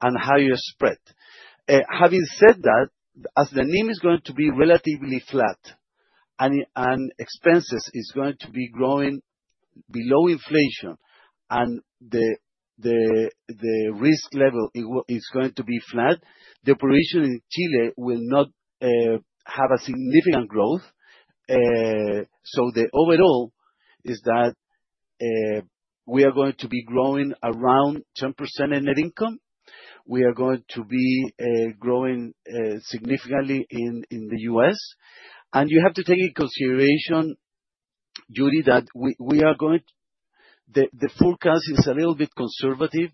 and higher spread. Having said that, as the NIM is going to be relatively flat and expenses is going to be growing below inflation and the risk level is going to be flat, the operation in Chile will not have a significant growth. The overall is that we are going to be growing around 10% in net income. We are going to be growing significantly in the US. You have to take in consideration, Yuri, that we are going. The forecast is a little bit conservative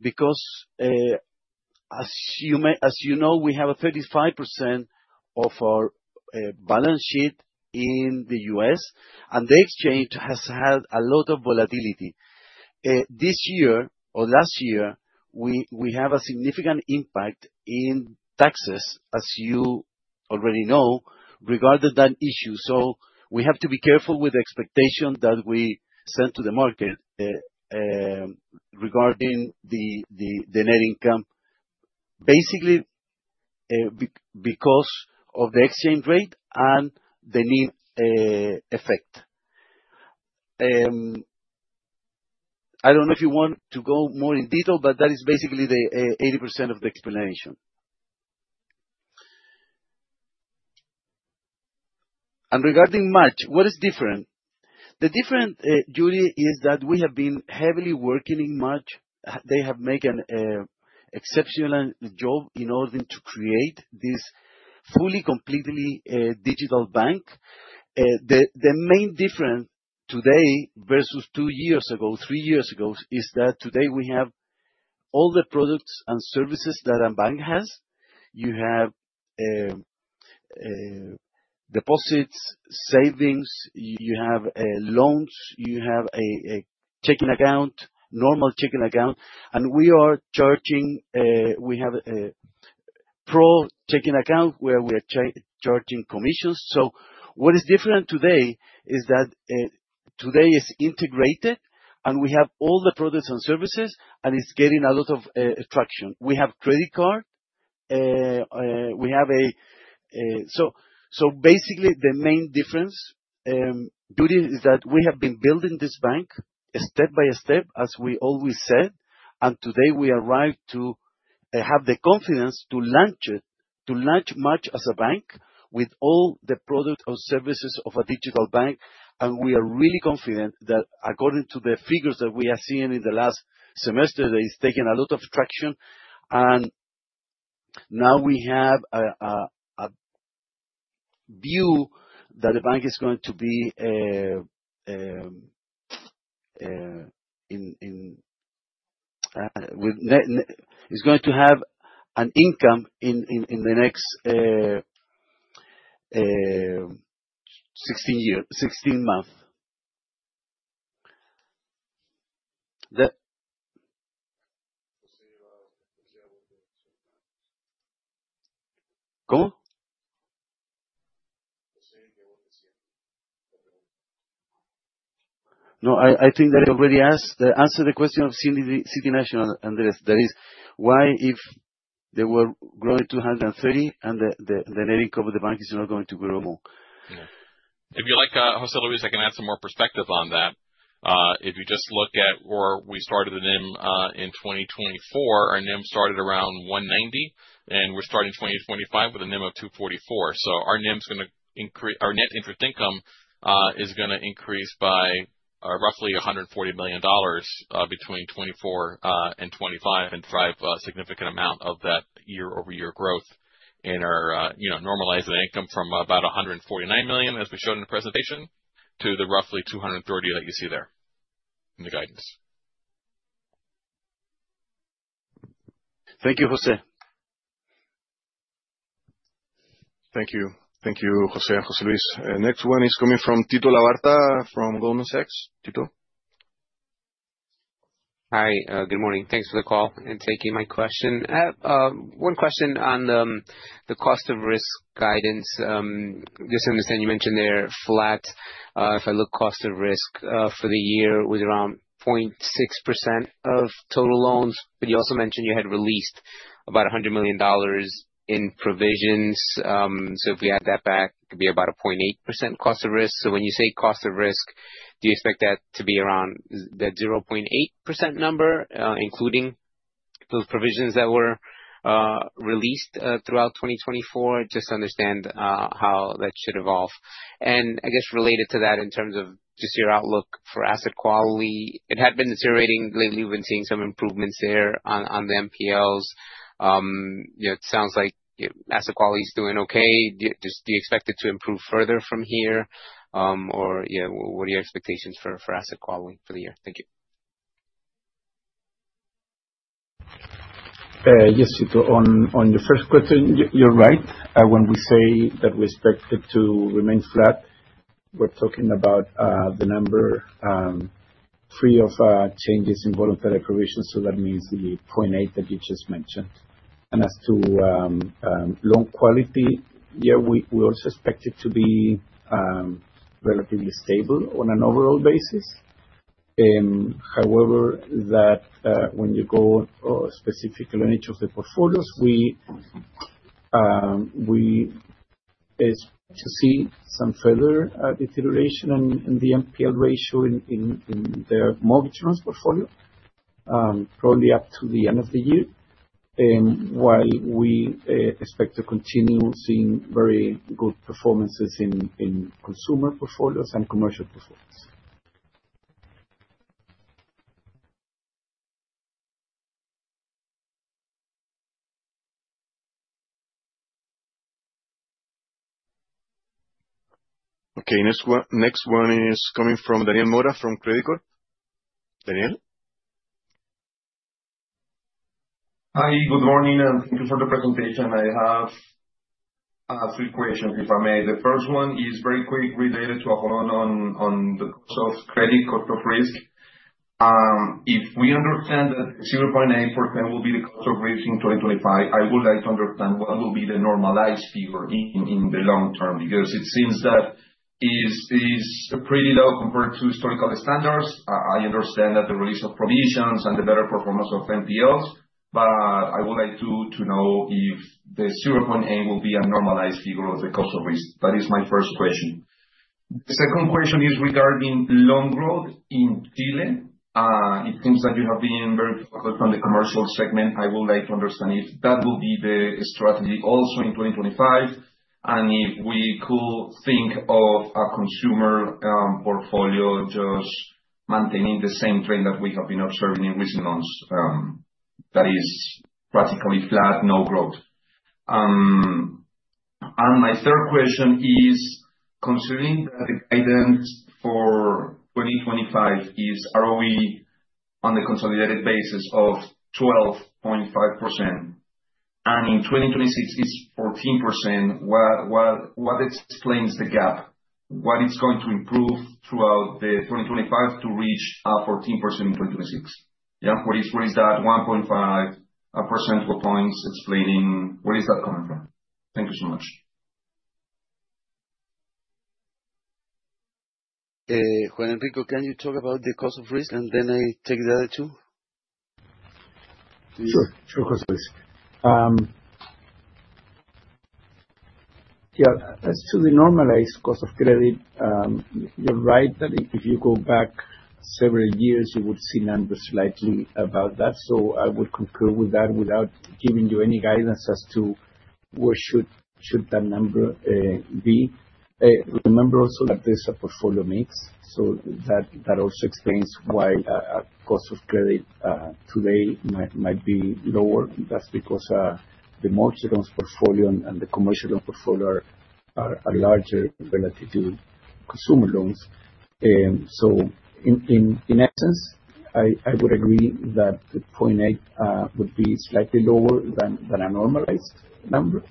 because, as you know, we have 35% of our balance sheet in the US, and the exchange has had a lot of volatility. This year or last year, we have a significant impact in taxes, as you already know, regarding that issue. We have to be careful with the expectation that we set to the market, regarding the net income, basically, because of the exchange rate and the NIM effect. I don't know if you want to go more in detail, but that is basically the 80% of the explanation. Regarding March, what is different? The difference, Yuri, is that we have been heavily working in March. They have made an exceptional job in order to create this fully, completely, digital bank. The main difference today versus two years ago, three years ago, is that today we have all the products and services that a bank has. You have deposits, savings, you have loans, you have a checking account, normal checking account, and we are charging, we have a pro checking account where we are charging commissions. What is different today is that today it's integrated, and we have all the products and services, and it's getting a lot of traction. We have credit card. Basically, the main difference, Yuri, is that we have been building this bank step by step, as we always said, and today we arrived to have the confidence to launch it, to launch MACH as a bank with all the product or services of a digital bank. We are really confident that according to the figures that we are seeing in the last semester, that it's taken a lot of traction. Now we have a view that the bank is going to have an income in the next 16-month. No, I think that already answered the question of City National, Andrés. That is, why if they were growing 230 and the net income of the bank is not going to grow more. If you like, José Luis, I can add some more perspective on that. If you just look at where we started the NIM in 2024, our NIM started around 1.90%, and we're starting 2025 with a NIM of 2.44%. Our net interest income is gonna increase by roughly $140 million between 2024 and 2025, and drive a significant amount of that year-over-year growth in our, you know, normalized net income from about $149 million, as we showed in the presentation, to the roughly $230 that you see there in the guidance. Thank you, Jose. Thank you. Thank you, Jose. José Luis. Next one is coming from Tito Labarta, from Goldman Sachs. Tito? Hi. Good morning. Thanks for the call and taking my question. One question on the cost of risk guidance. Just understand you mentioned they're flat. If I look cost of risk for the year with around 0.6% of total loans, but you also mentioned you had released about $100 million in provisions. So if we add that back, it could be about a 0.8% cost of risk. So when you say cost of risk, do you expect that to be around that 0.8% number, including those provisions that were released throughout 2024? Just to understand how that should evolve. I guess related to that in terms of just your outlook for asset quality, it had been deteriorating. Lately, we've been seeing some improvements there on the NPLs. You know, it sounds like, you know, asset quality is doing okay. Do you expect it to improve further from here? Or, you know, what are your expectations for asset quality for the year? Thank you. Yes, on the first question, you're right. When we say that we expect it to remain flat, we're talking about the number free of changes in voluntary provisions, so that means the 0.8 that you just mentioned. As to loan quality, yeah, we also expect it to be relatively stable on an overall basis. However, when you go specifically on each of the portfolios, we expect to see some further deterioration in the NPL ratio in the mortgage loans portfolio, probably up to the end of the year, while we expect to continue seeing very good performances in consumer portfolios and commercial portfolios. Okay, next one is coming from Daniel Mora, from Credicorp. Daniel. Hi, good morning, and thank you for the presentation. I have three questions, if I may. The first one is very quick related to the cost of credit, cost of risk. If we understand that 0.8% will be the cost of risk in 2025, I would like to understand what will be the normalized figure in the long term, because it seems that is pretty low compared to historical standards. I understand that the release of provisions and the better performance of NPLs, but I would like to know if the 0.8% will be a normalized figure of the cost of risk. That is my first question. Second question is regarding loan growth in Chile. It seems that you have been very focused on the commercial segment. I would like to understand if that will be the strategy also in 2025, and if we could think of a consumer portfolio just maintaining the same trend that we have been observing in recent months, that is practically flat, no growth. My third question is considering that the guidance for 2025 is ROE on the consolidated basis of 12.5%, and in 2026 it's 14%, what explains the gap? What is going to improve throughout the 2025 to reach 14% in 2026? What is that 1.5 percentage points explaining where is that coming from? Thank you so much. Juan Enrique, can you talk about the cost of risk, and then I take the other two? Sure, of course. Yeah, as to the normalized cost of credit, you're right that if you go back several years, you would see numbers slightly above that. I would concur with that without giving you any guidance as to where that number should be. Remember also that there's a portfolio mix, so that also explains why a cost of credit today might be lower. That's because the mortgage loans portfolio and the commercial loans portfolio are larger relative to consumer loans. In essence, I would agree that the 0.8% would be slightly lower than a normalized number.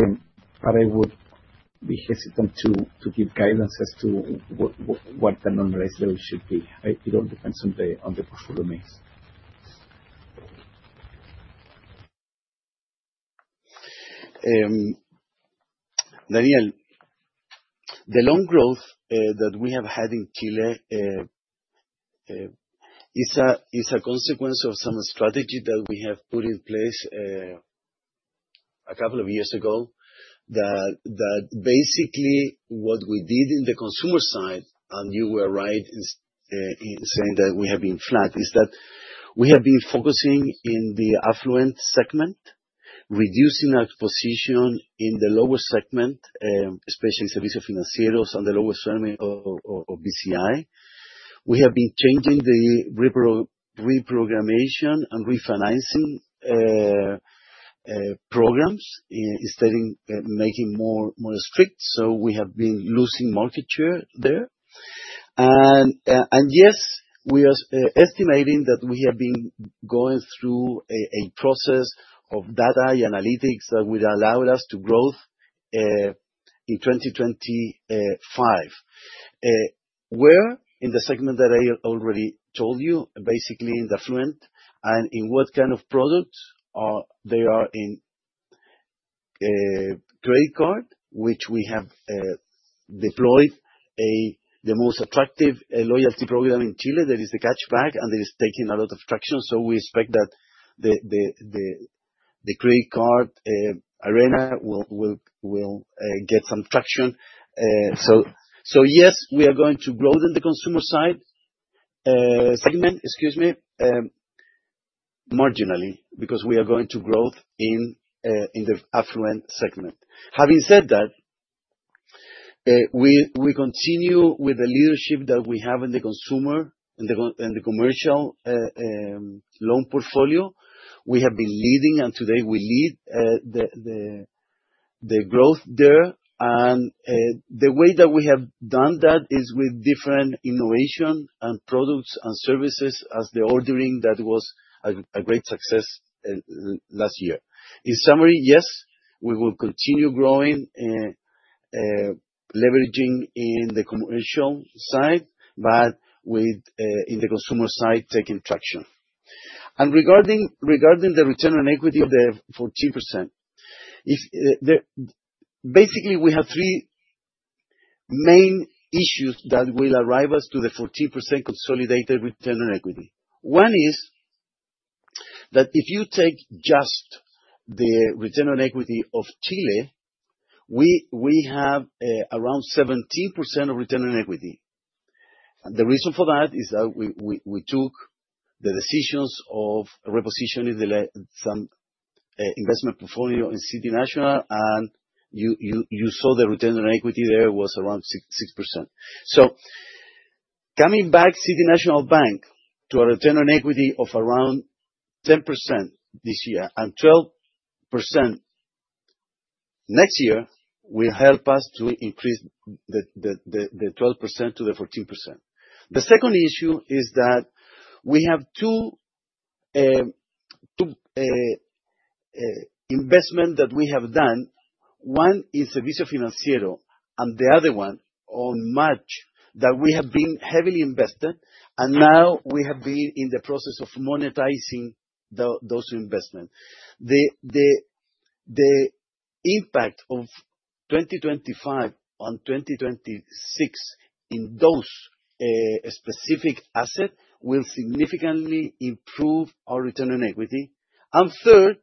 I would be hesitant to give guidance as to what the normalized level should be. It all depends on the portfolio mix. Daniel, the loan growth that we have had in Chile is a consequence of some strategy that we have put in place a couple of years ago, that basically what we did in the consumer side, and you were right in saying that we have been flat, is that we have been focusing in the affluent segment, reducing our position in the lower segment, especially Servicios Financieros and the lower segment of BCI. We have been changing the reprogramming and refinancing programs instead in making more strict. So we have been losing market share there. Yes, we are estimating that we have been going through a process of data analytics that will allow us to growth in 2025. Where? In the segment that I already told you, basically in the affluent. In what kind of products? They are in credit card, which we have deployed the most attractive loyalty program in Chile. That is the cashback, and it is taking a lot of traction, so we expect that the credit card arena will get some traction. So yes, we are going to grow in the consumer side segment, excuse me, marginally, because we are going to grow in the affluent segment. Having said that, we continue with the leadership that we have in the consumer in the commercial loan portfolio. We have been leading and today we lead the growth there, and the way that we have done that is with different innovation and products and services as the Ordering that was a great success last year. In summary, yes, we will continue growing, leveraging in the commercial side, but with in the consumer side, taking traction. Regarding the return on equity of the 14%, basically, we have three main issues that will drive us to the 14% consolidated return on equity. One is that if you take just the return on equity of Chile, we have around 17% of return on equity. The reason for that is that we took the decisions of repositioning some investment portfolio in City National, and you saw the return on equity there was around 6%. Coming back City National Bank to a return on equity of around 10% this year and 12% next year will help us to increase the 12% to the 14%. The second issue is that we have two investments that we have done. One is a Vía Financiero, and the other one on MACH, that we have been heavily invested, and now we have been in the process of monetizing those investments. The impact of 2025 on 2026 in those specific assets will significantly improve our return on equity. Third,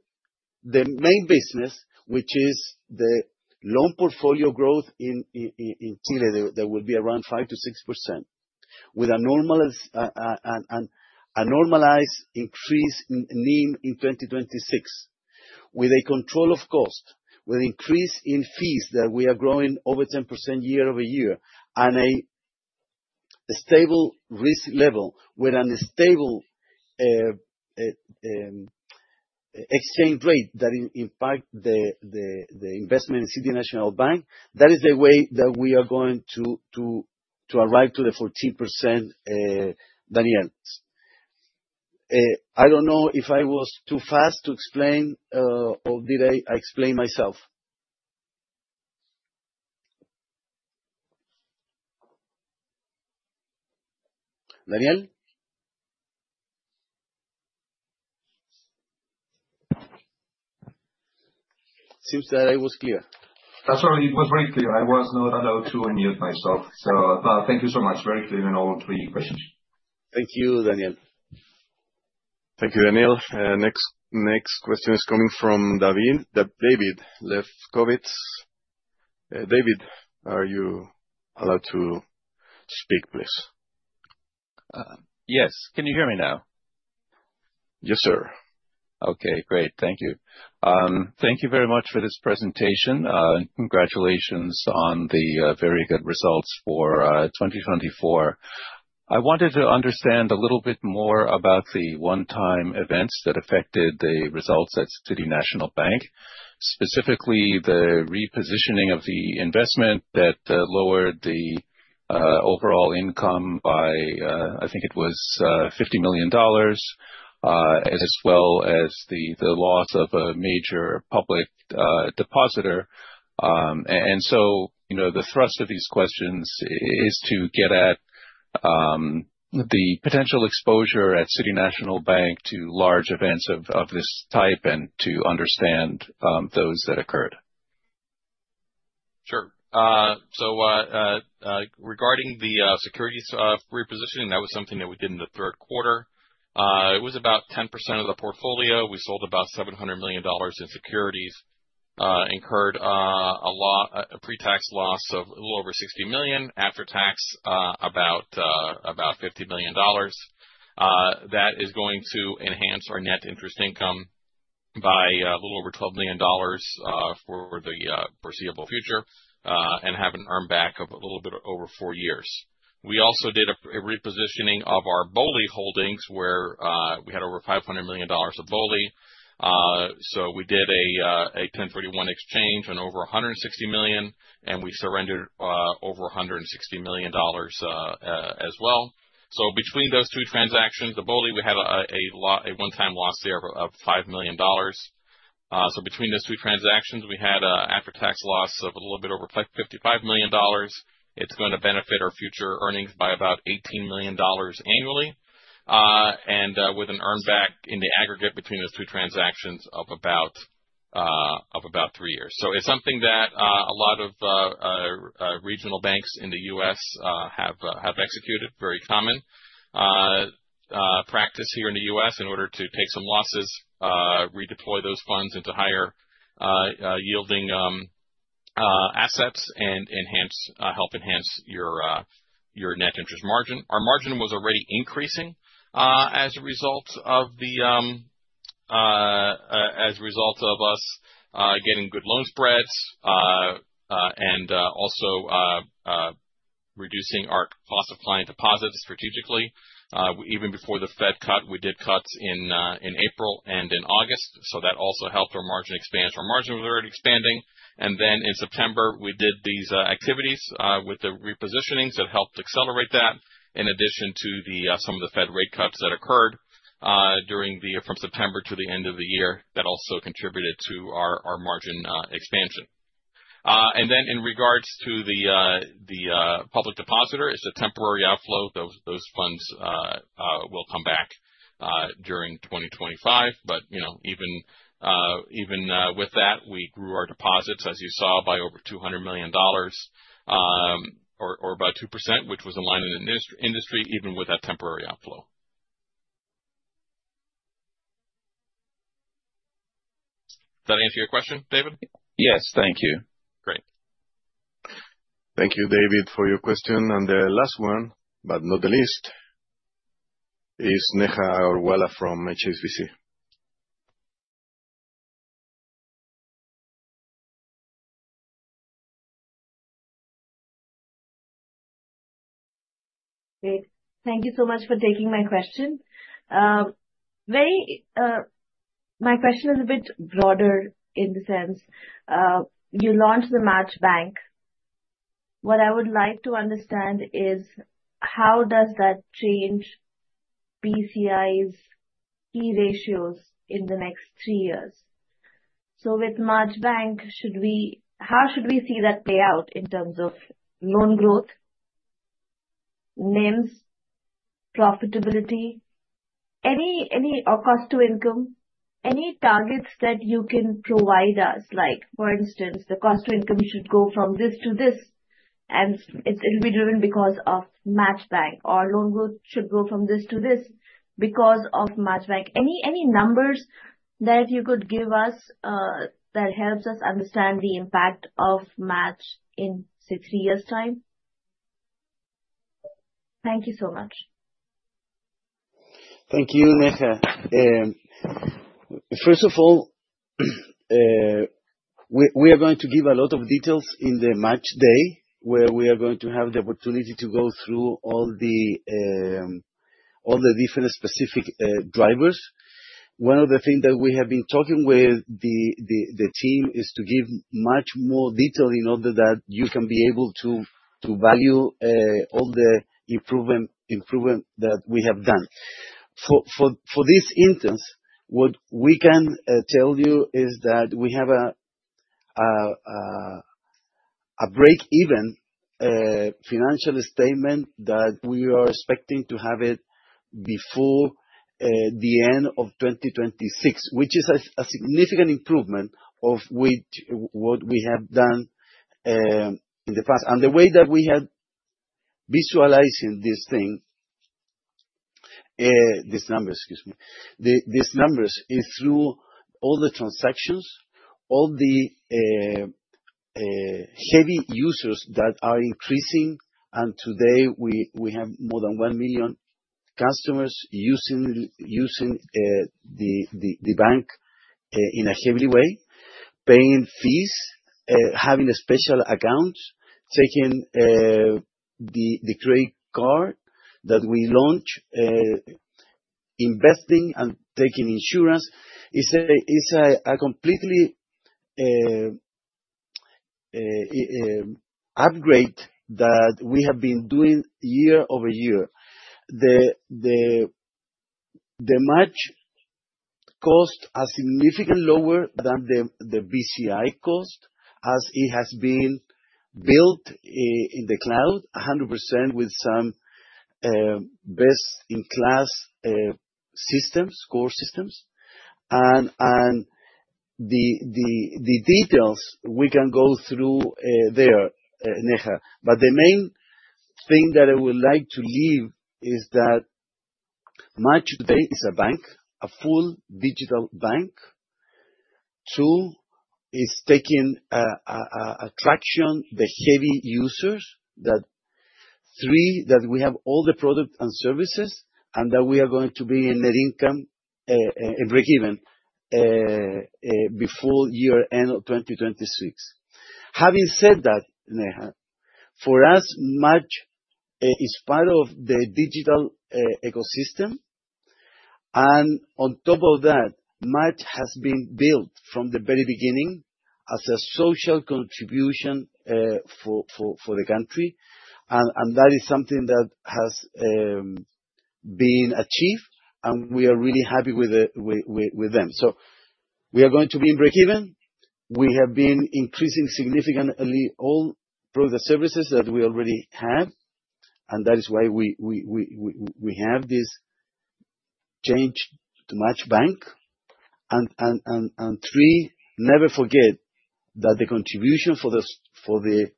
the main business, which is the loan portfolio growth in Chile, that will be around 5%-6% with a normalized increase in NIM in 2026, with a control of cost, with increase in fees that we are growing over 10% year-over-year, and a stable risk level with a stable exchange rate that impact the investment in City National Bank, that is the way that we are going to arrive to the 14%, Daniel. I don't know if I was too fast to explain, or did I explain myself. Daniel? Seems that I was clear. That's all right. It was very clear. I was not allowed to unmute myself, but thank you so much. Very clear in all three questions. Thank you, Daniel. Thank you, Daniel. Next question is coming from David Lefkowitz. David, are you allowed to speak, please? Yes. Can you hear me now? Yes, sir. Okay, great. Thank you. Thank you very much for this presentation. Congratulations on the very good results for 2024. I wanted to understand a little bit more about the one-time events that affected the results at City National Bank, specifically the repositioning of the investment that lowered the overall income by, I think it was, $50 million, as well as the loss of a major public depositor. You know, the thrust of these questions is to get at the potential exposure at City National Bank to large events of this type and to understand those that occurred. Sure. Regarding the securities repositioning, that was something that we did in the third quarter. It was about 10% of the portfolio. We sold about $700 million in securities, incurred a pre-tax loss of a little over $60 million, after tax, about $50 million. That is going to enhance our net interest income by a little over $12 million for the foreseeable future and have an earn back of a little bit over four years. We also did a repositioning of our BOLI holdings, where we had over $500 million of BOLI. We did a 1041 exchange on over $160 million, and we surrendered over $160 million as well. Between those two transactions, the BOLI, we had a one-time loss there of $5 million. Between those two transactions, we had after-tax loss of a little bit over $55 million. It's gonna benefit our future earnings by about $18 million annually, and with an earn back in the aggregate between those two transactions of about three years. It's something that a lot of regional banks in the U.S. have executed, very common practice here in the U.S. in order to take some losses, redeploy those funds into higher yielding assets and help enhance your net interest margin. Our margin was already increasing as a result of us getting good loan spreads and also reducing our cost of client deposits strategically, even before the Fed cut, we did cuts in April and in August, so that also helped our margin expand. Our margin was already expanding. In September, we did these activities with the repositionings that helped accelerate that, in addition to some of the Fed rate cuts that occurred from September to the end of the year, that also contributed to our margin expansion. In regards to the public deposits, it's a temporary outflow. Those funds will come back during 2025. You know, even with that, we grew our deposits, as you saw, by over $200 million, or about 2%, which was in line with the industry, even with that temporary outflow. That answer your question, David? Yes. Thank you. Great. Thank you, David, for your question. The last one, but not the least, is Neha Agarwala from HSBC. Thank you so much for taking my question. My question is a bit broader in the sense, you launched the MACH Bank. What I would like to understand is how does that change BCI's key ratios in the next three years? With MACH Bank, how should we see that play out in terms of loan growth, NIMs, profitability? Or cost to income. Any targets that you can provide us, like for instance, the cost to income should go from this to this, and it's, it'll be driven because of MACH Bank. Or loan growth should go from this to this because of MACH Bank. Any numbers that you could give us, that helps us understand the impact of MACH Bank in say, three years time. Thank you so much. Thank you, Neha. First of all, we are going to give a lot of details in the MACH day, where we are going to have the opportunity to go through all the different specific drivers. One of the things that we have been talking with the team is to give much more detail in order that you can be able to value all the improvement that we have done. For this instance, what we can tell you is that we have a break-even financial statement that we are expecting to have it before the end of 2026, which is a significant improvement of what we have done in the past. The way that we have visualizing this thing these numbers, excuse me. These numbers is through all the transactions, all the heavy users that are increasing. Today, we have more than 1 million customers using the bank in a heavy way, paying fees, having a special account, taking the credit card that we launched, investing and taking insurance. It's a complete upgrade that we have been doing year-over-year. The MACH costs are significantly lower than the BCI cost, as it has been built in the cloud 100% with some best-in-class systems, core systems. The details we can go through there, Neha. The main thing that I would like to leave is that MACH today is a bank, a full digital bank. two, it's taking traction, the heavy users that three, that we have all the products and services, and that we are going to be in net income and breakeven before year end of 2026. Having said that, Neha, for us, MACH is part of the digital ecosystem. On top of that, MACH has been built from the very beginning as a social contribution for the country. That is something that has been achieved, and we are really happy with it with them. We are going to be breakeven. We have been increasing significantly all product services that we already have, and that is why we have this change to MACH Bank. Never forget that the contribution for the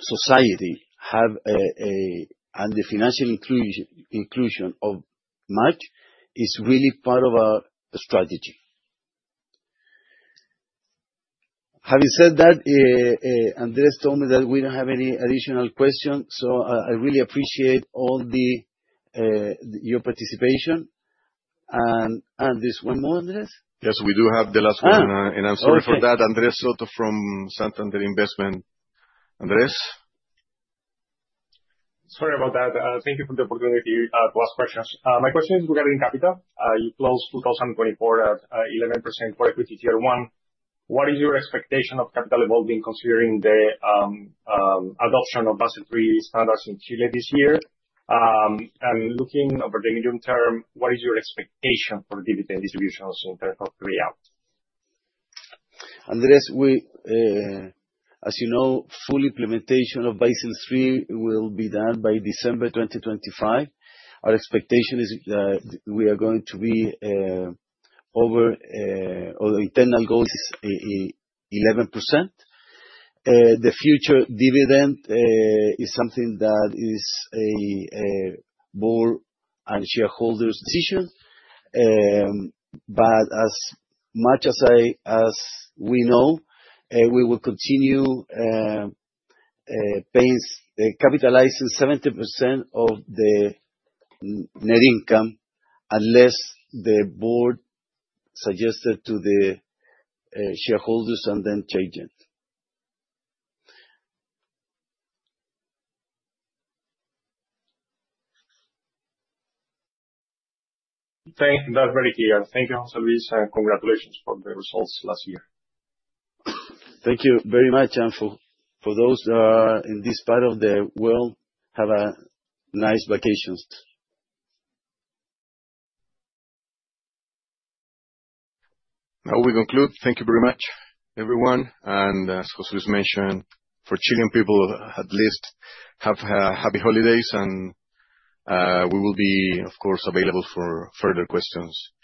society have a and the financial inclusion of MACH is really part of our strategy. Having said that, Andrés told me that we don't have any additional questions, so I really appreciate all your participation. Is there one more, Andrés? Yes, we do have the last one. Okay. I'm sorry for that. Andres Soto from Santander. Andres? Sorry about that. Thank you for the opportunity to ask questions. My question is regarding capital. You closed 2024 at 11% for equity tier one. What is your expectation of capital evolving considering the adoption of Basel III standards in Chile this year? Looking over the medium term, what is your expectation for dividend distributions in terms of payout? Andres, as you know, full implementation of Basel III will be done by December 2025. Our expectation is we are going to be over our internal goal is 11%. The future dividend is something that is a board and shareholders decision. As much as we know, we will continue capitalizing 70% of the net income, unless the board suggest it to the shareholders and then change it. That's very clear. Thank you, José Luis, and congratulations for the results last year. Thank you very much. For those in this part of the world, have a nice vacations. Now we conclude. Thank you very much, everyone. As José Luis Ibaibarriaga mentioned, for Chilean people at least, have happy holidays. We will be, of course, available for further questions. Thank you.